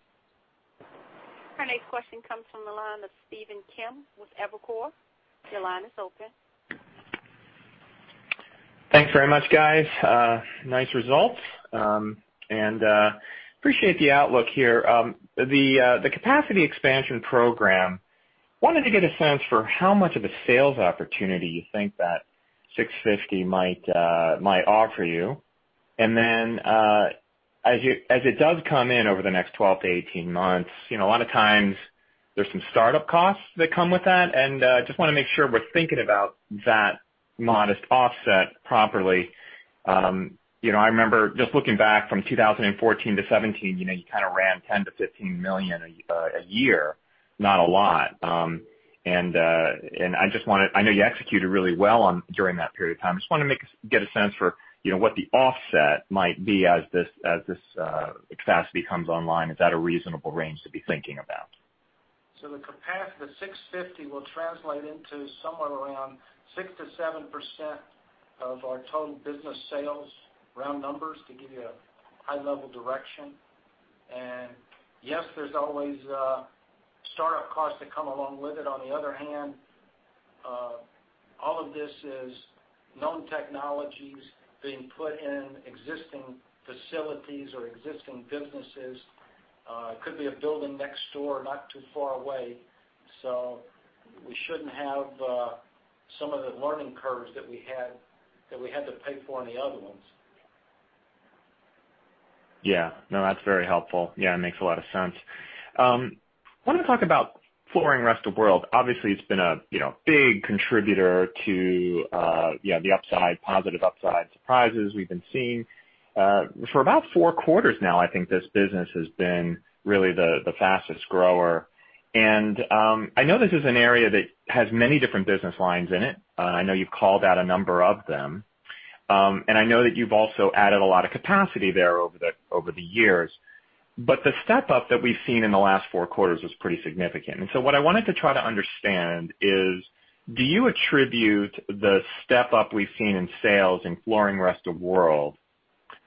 Our next question comes from the line of Stephen Kim with Evercore. Your line is open. Thanks very much, guys. Nice results. Appreciate the outlook here. The capacity expansion program, wanted to get a sense for how much of a sales opportunity you think that $650 million might offer you. As it does come in over the next 12-18 months, a lot of times there's some startup costs that come with that. Just want to make sure we're thinking about that modest offset properly. I remember just looking back from 2014-2017, you kind of ran $10 million-$15 million a year, not a lot. I know you executed really well during that period of time. Just want to get a sense for what the offset might be as this capacity comes online. Is that a reasonable range to be thinking about? The capacity, the 650, will translate into somewhere around 6%-7% of our total business sales, round numbers, to give you a high-level direction. Yes, there's always startup costs that come along with it. On the other hand, all of this is known technologies being put in existing facilities or existing businesses. Could be a building next door not too far away. We shouldn't have some of the learning curves that we had to pay for in the other ones. Yeah. No, that's very helpful. Yeah, it makes a lot of sense. I want to talk about Flooring Rest of the World. Obviously, it's been a big contributor to the positive upside surprises we've been seeing. For about four quarters now, I think this business has been really the fastest grower. I know this is an area that has many different business lines in it. I know you've called out a number of them. I know that you've also added a lot of capacity there over the years. The step-up that we've seen in the last four quarters was pretty significant. What I wanted to try to understand is, do you attribute the step-up we've seen in sales in Flooring Rest of the World,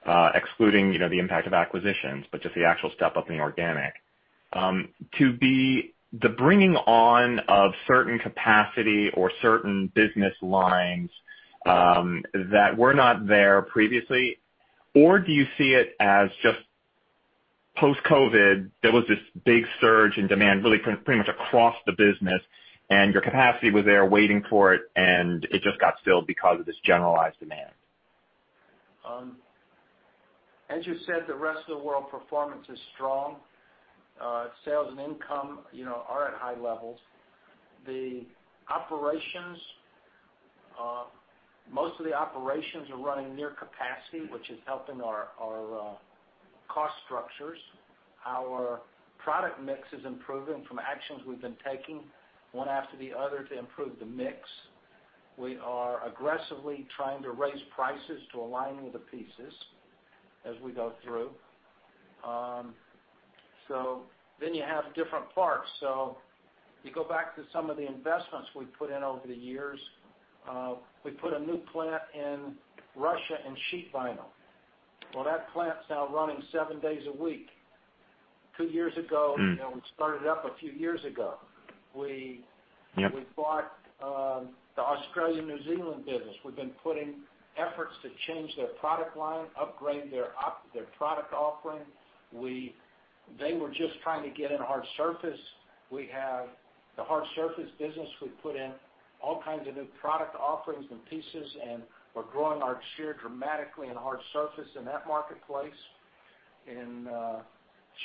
excluding the impact of acquisitions, but just the actual step-up in the organic, to be the bringing on of certain capacity or certain business lines that were not there previously? Do you see it as just post-COVID, there was this big surge in demand really pretty much across the business, and your capacity was there waiting for it, and it just got filled because of this generalized demand? As you said, the rest of the world performance is strong. Sales and income are at high levels. Most of the operations are running near capacity, which is helping our cost structures. Our product mix is improving from actions we've been taking, one after the other, to improve the mix. We are aggressively trying to raise prices to align with the pieces as we go through. You have different parts. You go back to some of the investments we've put in over the years. We put a new plant in Russia in sheet vinyl. Well, that plant's now running seven days a week. Two years ago, we started up a few years ago. Yep. We bought the Australia, New Zealand business. We've been putting efforts to change their product line, upgrade their product offering. They were just trying to get into hard surface. We have the hard surface business. We put in all kinds of new product offerings and pieces, and we're growing our share dramatically in hard surface in that marketplace. In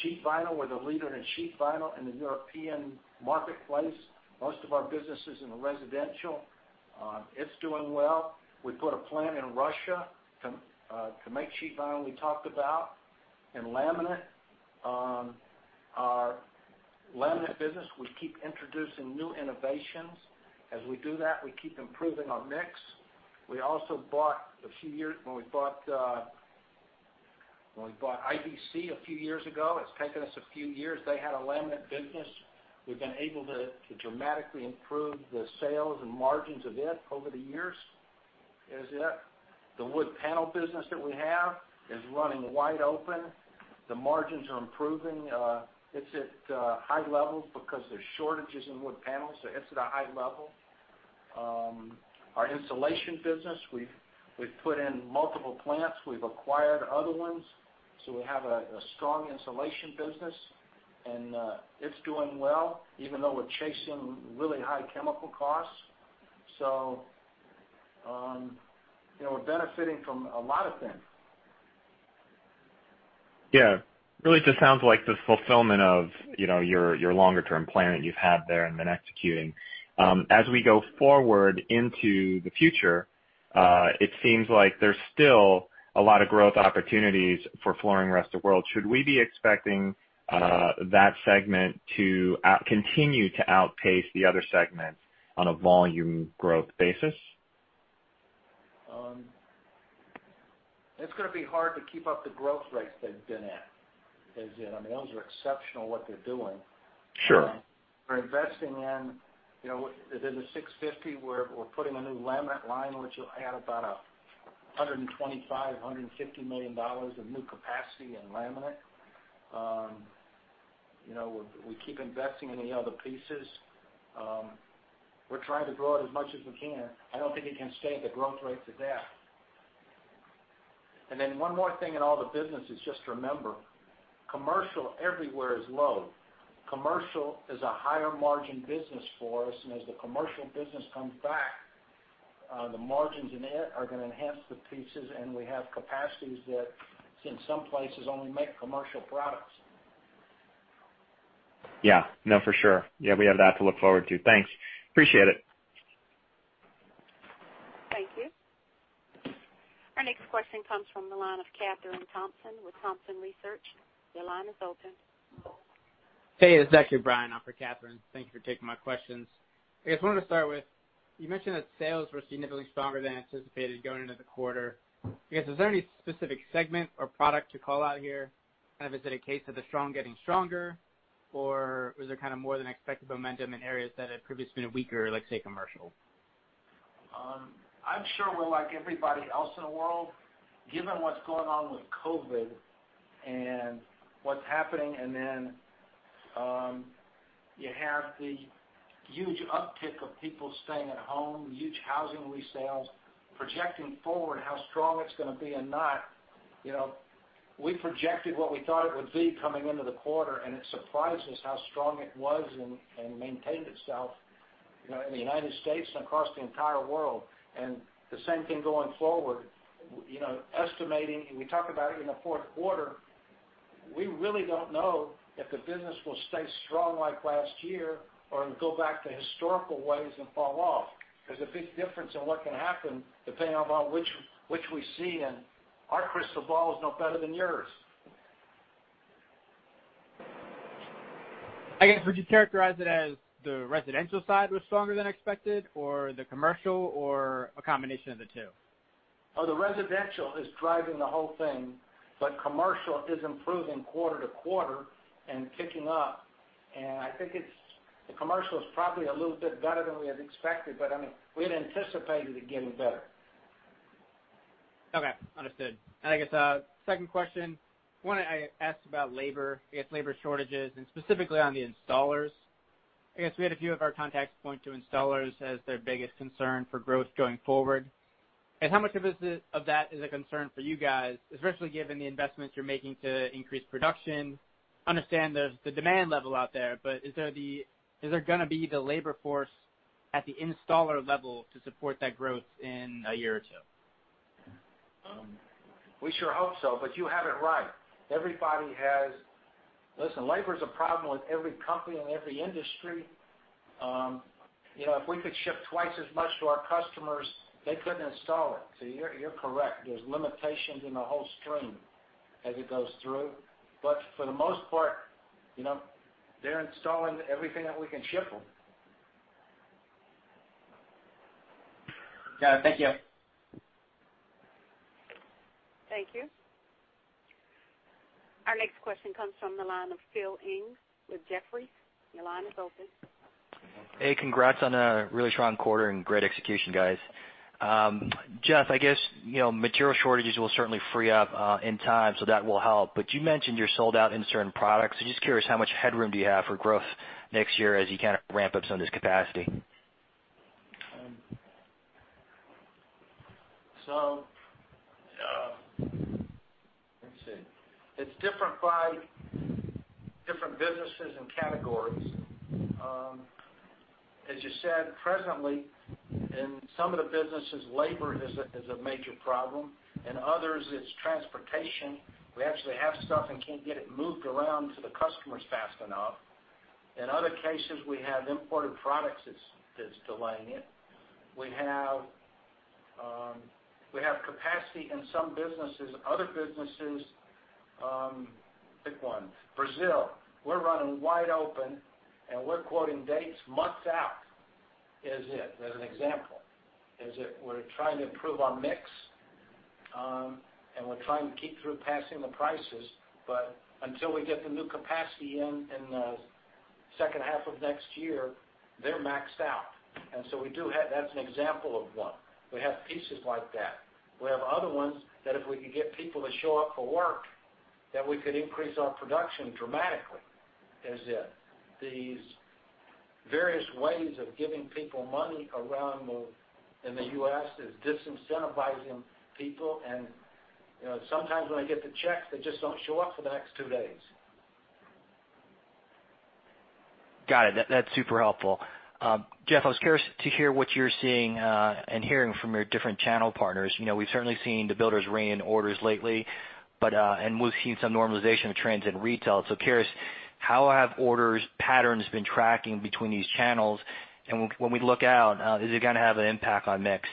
sheet vinyl, we're the leader in sheet vinyl in the European marketplace. Most of our business is in the residential. It's doing well. We put a plant in Russia to make sheet vinyl we talked about. In laminate, our laminate business, we keep introducing new innovations. As we do that, we keep improving our mix. When we bought IVC a few years ago, it's taken us a few years. They had a laminate business. We've been able to dramatically improve the sales and margins of it over the years. The wood panel business that we have is running wide open. The margins are improving. It's at high levels because there's shortages in wood panels, so it's at a high level. Our insulation business, we've put in multiple plants. We've acquired other ones. We have a strong insulation business, and it's doing well, even though we're chasing really high chemical costs. We're benefiting from a lot of things. Yeah. Really just sounds like the fulfillment of your longer-term plan that you've had there and been executing. As we go forward into the future, it seems like there's still a lot of growth opportunities for Flooring Rest of the World. Should we be expecting that segment to continue to outpace the other segments on a volume growth basis? It's going to be hard to keep up the growth rates they've been at. Those are exceptional, what they're doing. Sure. We're investing in within the 650, we're putting a new laminate line, which will add about $125 million-$150 million of new capacity in laminate. We keep investing in the other pieces. We're trying to grow it as much as we can. I don't think you can stay at the growth rates of that. One more thing in all the businesses, just remember, commercial everywhere is low. Commercial is a higher margin business for us, and as the commercial business comes back, the margins in it are going to enhance the pieces, and we have capacities that, in some places, only make commercial products. Yeah. No, for sure. Yeah, we have that to look forward to. Thanks. Appreciate it. Thank you. Our next question comes from the line of Kathryn Thompson with Thompson Research. Your line is open. Hey, it's actually Brian. I'm for Kathryn. Thank you for taking my questions. I guess wanted to start with, you mentioned that sales were significantly stronger than anticipated going into the quarter. I guess, is there any specific segment or product to call out here? Is it a case of the strong getting stronger, or was there more than expected momentum in areas that had previously been weaker, like, say, commercial? I'm sure we're like everybody else in the world. Given what's going on with COVID and what's happening, and then you have the huge uptick of people staying at home, huge housing resales. Projecting forward how strong it's going to be or not, we projected what we thought it would be coming into the quarter, and it surprised us how strong it was and maintained itself in the U.S. and across the entire world. The same thing going forward, estimating, and we talk about it in the fourth quarter, we really don't know if the business will stay strong like last year or go back to historical ways and fall off. There's a big difference in what can happen depending upon which we see, and our crystal ball is no better than yours. I guess, would you characterize it as the residential side was stronger than expected, or the commercial, or a combination of the two? The residential is driving the whole thing, but commercial is improving quarter to quarter and ticking up. I think the commercial is probably a little bit better than we had expected, but we had anticipated it getting better. Okay. Understood. I guess second question, I want to ask about labor, I guess labor shortages, and specifically on the installers. I guess we had a few of our contacts point to installers as their biggest concern for growth going forward. How much of that is a concern for you guys, especially given the investments you're making to increase production? Understand the demand level out there, but is there going to be the labor force at the installer level to support that growth in a year or two? We sure hope so, but you have it right. Listen, labor's a problem with every company in every industry. If we could ship twice as much to our customers, they couldn't install it. You're correct. There's limitations in the whole stream as it goes through. For the most part, they're installing everything that we can ship them. Got it. Thank you. Thank you. Our next question comes from the line of Phil Ng with Jefferies. Your line is open. Hey, congrats on a really strong quarter and great execution, guys. Jeff, I guess, material shortages will certainly free up in time. That will help. You mentioned you're sold out in certain products. Just curious, how much headroom do you have for growth next year as you kind of ramp up some of this capacity? Let's see. It's different by different businesses and categories. As you said, presently, in some of the businesses, labor is a major problem. In others, it's transportation. We actually have stuff and can't get it moved around to the customers fast enough. In other cases, we have imported products that's delaying it. We have capacity in some businesses. Other businesses, pick one. Brazil. We're running wide open, and we're quoting dates months out, as an example. We're trying to improve our mix, and we're trying to keep through passing the prices. Until we get the new capacity in in the second half of next year, they're maxed out. That's an example of one. We have pieces like that. We have other ones that if we could get people to show up for work, then we could increase our production dramatically. These various ways of giving people money around in the U.S. is disincentivizing people, and sometimes when they get the check, they just don't show up for the next two days. Got it. That's super helpful. Jeff, I was curious to hear what you're seeing and hearing from your different channel partners. We've certainly seen the builders rein orders lately, and we've seen some normalization of trends in retail. Curious, how have orders patterns been tracking between these channels? When we look out, is it going to have an impact on mix?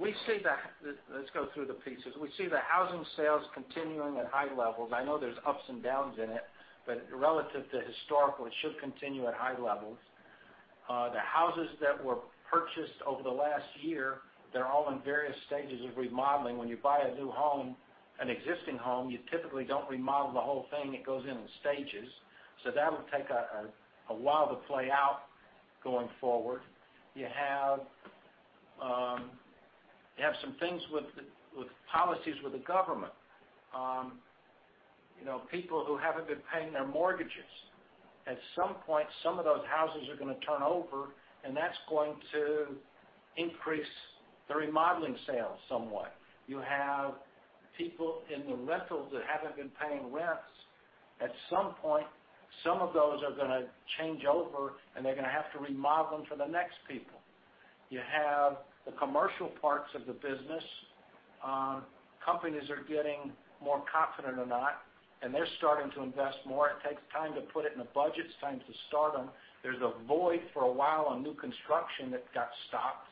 Let's go through the pieces. We see the housing sales continuing at high levels. I know there's ups and downs in it, but relative to historical, it should continue at high levels. The houses that were purchased over the last year, they're all in various stages of remodeling. When you buy a new home, an existing home, you typically don't remodel the whole thing. It goes in in stages. That'll take a while to play out going forward. You have some things with policies with the government. People who haven't been paying their mortgages. At some point, some of those houses are going to turn over, and that's going to increase the remodeling sales somewhat. You have people in the rentals that haven't been paying rents. At some point, some of those are going to change over, and they're going to have to remodel them for the next people. You have the commercial parts of the business. Companies are getting more confident or not, they're starting to invest more. It takes time to put it in the budgets, time to start them. There's a void for a while on new construction that got stopped.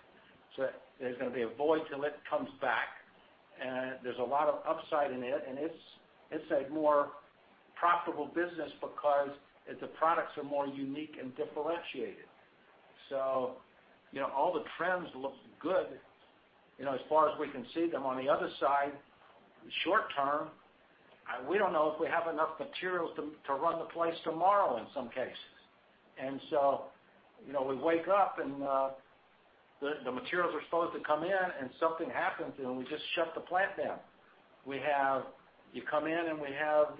There's going to be a void till it comes back. There's a lot of upside in it, and it's a more profitable business because the products are more unique and differentiated. All the trends look good, as far as we can see them. On the other side, in the short term, we don't know if we have enough materials to run the place tomorrow in some cases. We wake up and the materials are supposed to come in and something happens, and we just shut the plant down. You come in, we have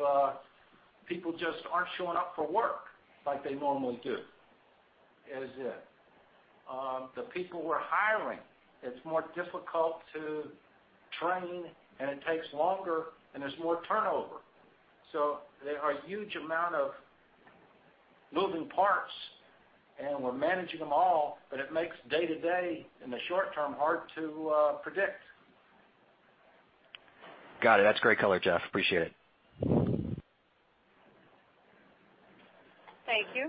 people just aren't showing up for work like they normally do. As if the people we're hiring, it's more difficult to train, and it takes longer, and there's more turnover. There are a huge amount of moving parts, and we're managing them all, but it makes day-to-day, in the short term, hard to predict. Got it. That's great color, Jeff. Appreciate it. Thank you.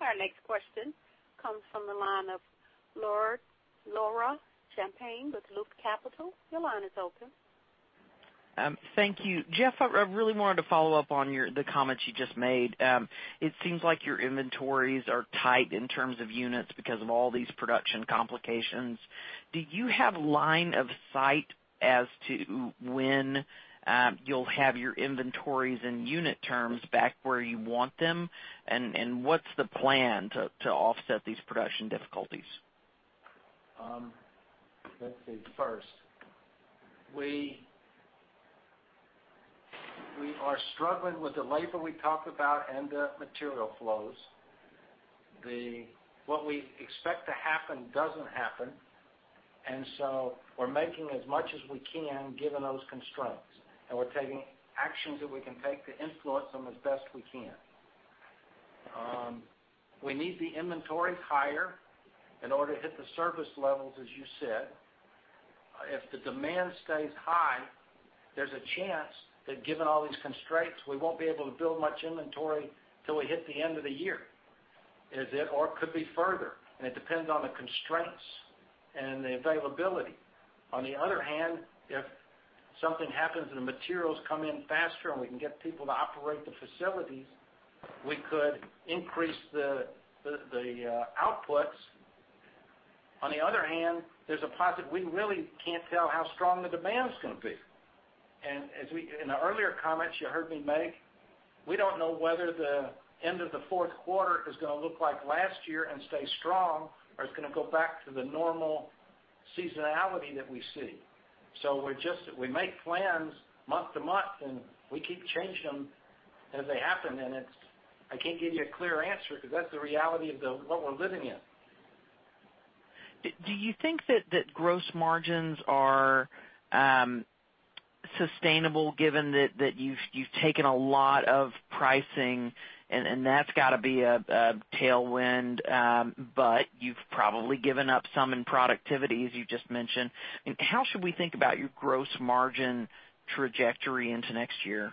Our next question comes from the line of Laura Champine with Loop Capital. Your line is open. Thank you. Jeff, I really wanted to follow up on the comments you just made. It seems like your inventories are tight in terms of units because of all these production complications. Do you have line of sight as to when you'll have your inventories and unit turns back where you want them? What's the plan to offset these production difficulties? Let's see. First, we are struggling with the labor we talked about and the material flows. What we expect to happen doesn't happen. We're making as much as we can, given those constraints, and we're taking actions that we can take to influence them as best we can. We need the inventories higher in order to hit the service levels, as you said. If the demand stays high, there's a chance that given all these constraints, we won't be able to build much inventory till we hit the end of the year. Is it, or it could be further, and it depends on the constraints and the availability. On the other hand, if something happens and the materials come in faster and we can get people to operate the facilities, we could increase the outputs. On the other hand, we really can't tell how strong the demand's going to be. As we, in the earlier comments you heard me make, we don't know whether the end of the fourth quarter is going to look like last year and stay strong or it's going to go back to the normal seasonality that we see. We make plans month to month, and we keep changing them as they happen. I can't give you a clear answer because that's the reality of what we're living in. Do you think that gross margins are sustainable given that you've taken a lot of pricing, and that's got to be a tailwind, but you've probably given up some in productivity, as you just mentioned? How should we think about your gross margin trajectory into next year?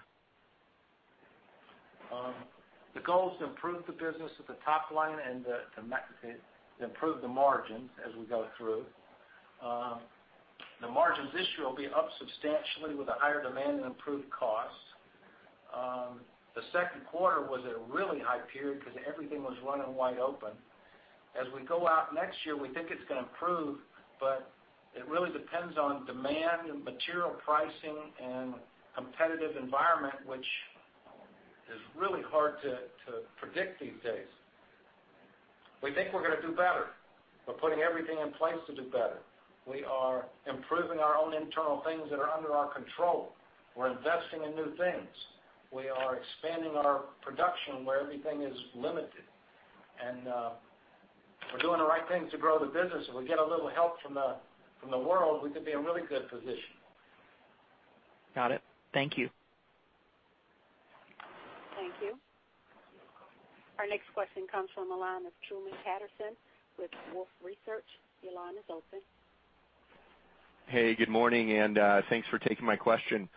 The goal is to improve the business at the top line and to improve the margins as we go through. The margins this year will be up substantially with a higher demand and improved costs. The second quarter was a really high period because everything was running wide open. As we go out next year, we think it's going to improve, but it really depends on demand and material pricing and competitive environment, which is really hard to predict these days. We think we're going to do better. We're putting everything in place to do better. We are improving our own internal things that are under our control. We're investing in new things. We are expanding our production where everything is limited. We're doing the right thing to grow the business. If we get a little help from the world, we could be in a really good position. Got it. Thank you. Thank you. Our next question comes from the line of Truman Patterson with Wolfe Research. Your line is open. Hey, good morning, and thanks for taking my question.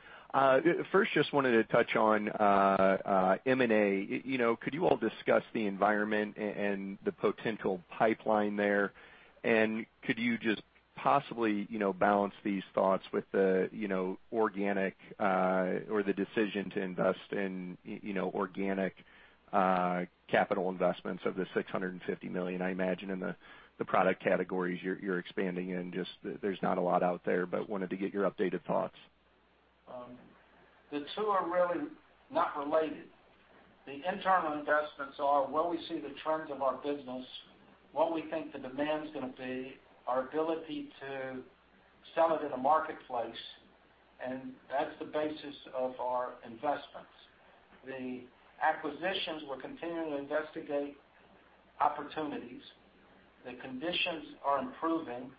First, just wanted to touch on M&A. Could you all discuss the environment and the potential pipeline there? Could you just possibly balance these thoughts with the organic or the decision to invest in organic capital investments of the $650 million? I imagine in the product categories you're expanding in, just there's not a lot out there, but wanted to get your updated thoughts. The two are really not related. The internal investments are where we see the trends of our business, what we think the demand's going to be, our ability to sell it in a marketplace, and that's the basis of our investments. The acquisitions, we're continuing to investigate opportunities. The conditions are improving.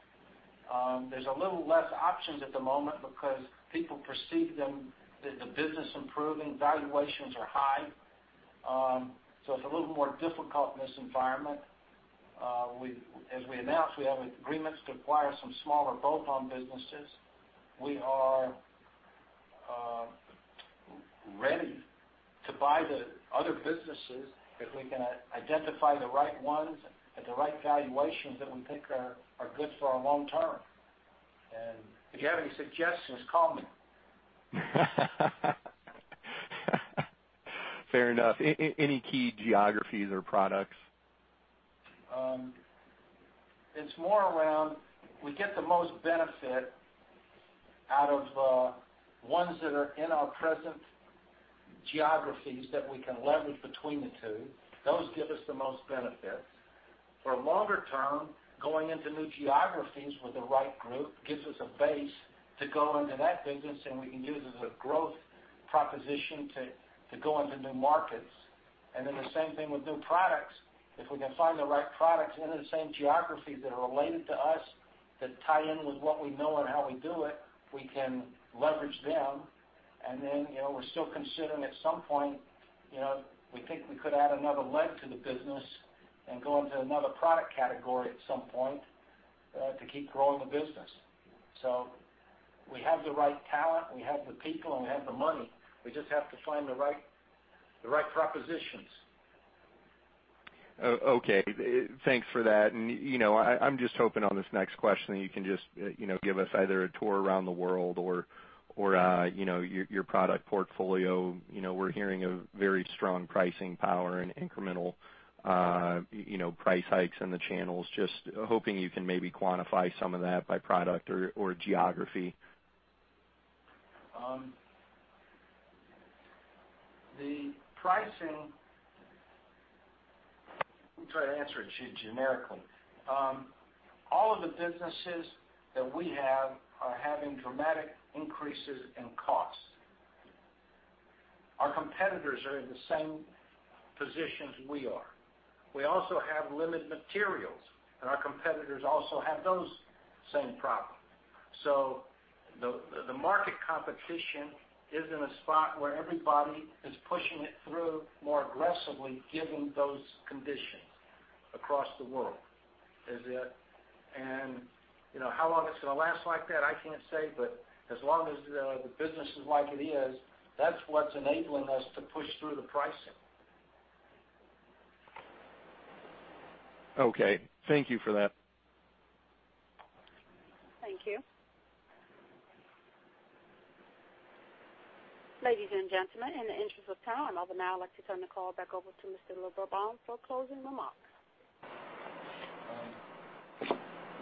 There's a little less options at the moment because people perceive them that the business improving, valuations are high. It's a little more difficult in this environment. As we announced, we have agreements to acquire some smaller bolt-on businesses. We are ready to buy the other businesses if we can identify the right ones at the right valuations that we think are good for our long-term. If you have any suggestions, call me. Fair enough. Any key geographies or products? It's more around, we get the most benefit out of ones that are in our present geographies that we can leverage between the two. Those give us the most benefits. For longer term, going into new geographies with the right group gives us a base to go into that business, and we can use as a growth proposition to go into new markets. The same thing with new products. If we can find the right products into the same geographies that are related to us, that tie in with what we know and how we do it, we can leverage them. We're still considering at some point, we think we could add another leg to the business and go into another product category at some point, to keep growing the business. We have the right talent, we have the people, and we have the money. We just have to find the right propositions. Okay. Thanks for that. I'm just hoping on this next question, you can just give us either a tour around the world or your product portfolio. We're hearing a very strong pricing power and incremental price hikes in the channels. Just hoping you can maybe quantify some of that by product or geography. Let me try to answer it generically. All of the businesses that we have are having dramatic increases in cost. Our competitors are in the same position as we are. We also have limited materials, and our competitors also have those same problems. The market competition is in a spot where everybody is pushing it through more aggressively, given those conditions across the world. How long it's going to last like that, I can't say, but as long as the business is like it is, that's what's enabling us to push through the pricing. Okay. Thank you for that. Thank you. Ladies and gentlemen, in the interest of time, I would now like to turn the call back over to Mr. Lorberbaum for closing remarks.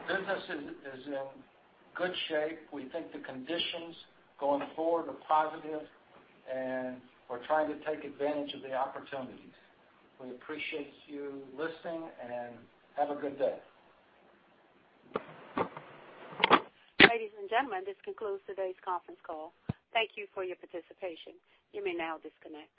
Business is in good shape. We think the conditions going forward are positive, and we're trying to take advantage of the opportunities. We appreciate you listening, and have a good day. Ladies and gentlemen, this concludes today's conference call. Thank you for your participation. You may now disconnect.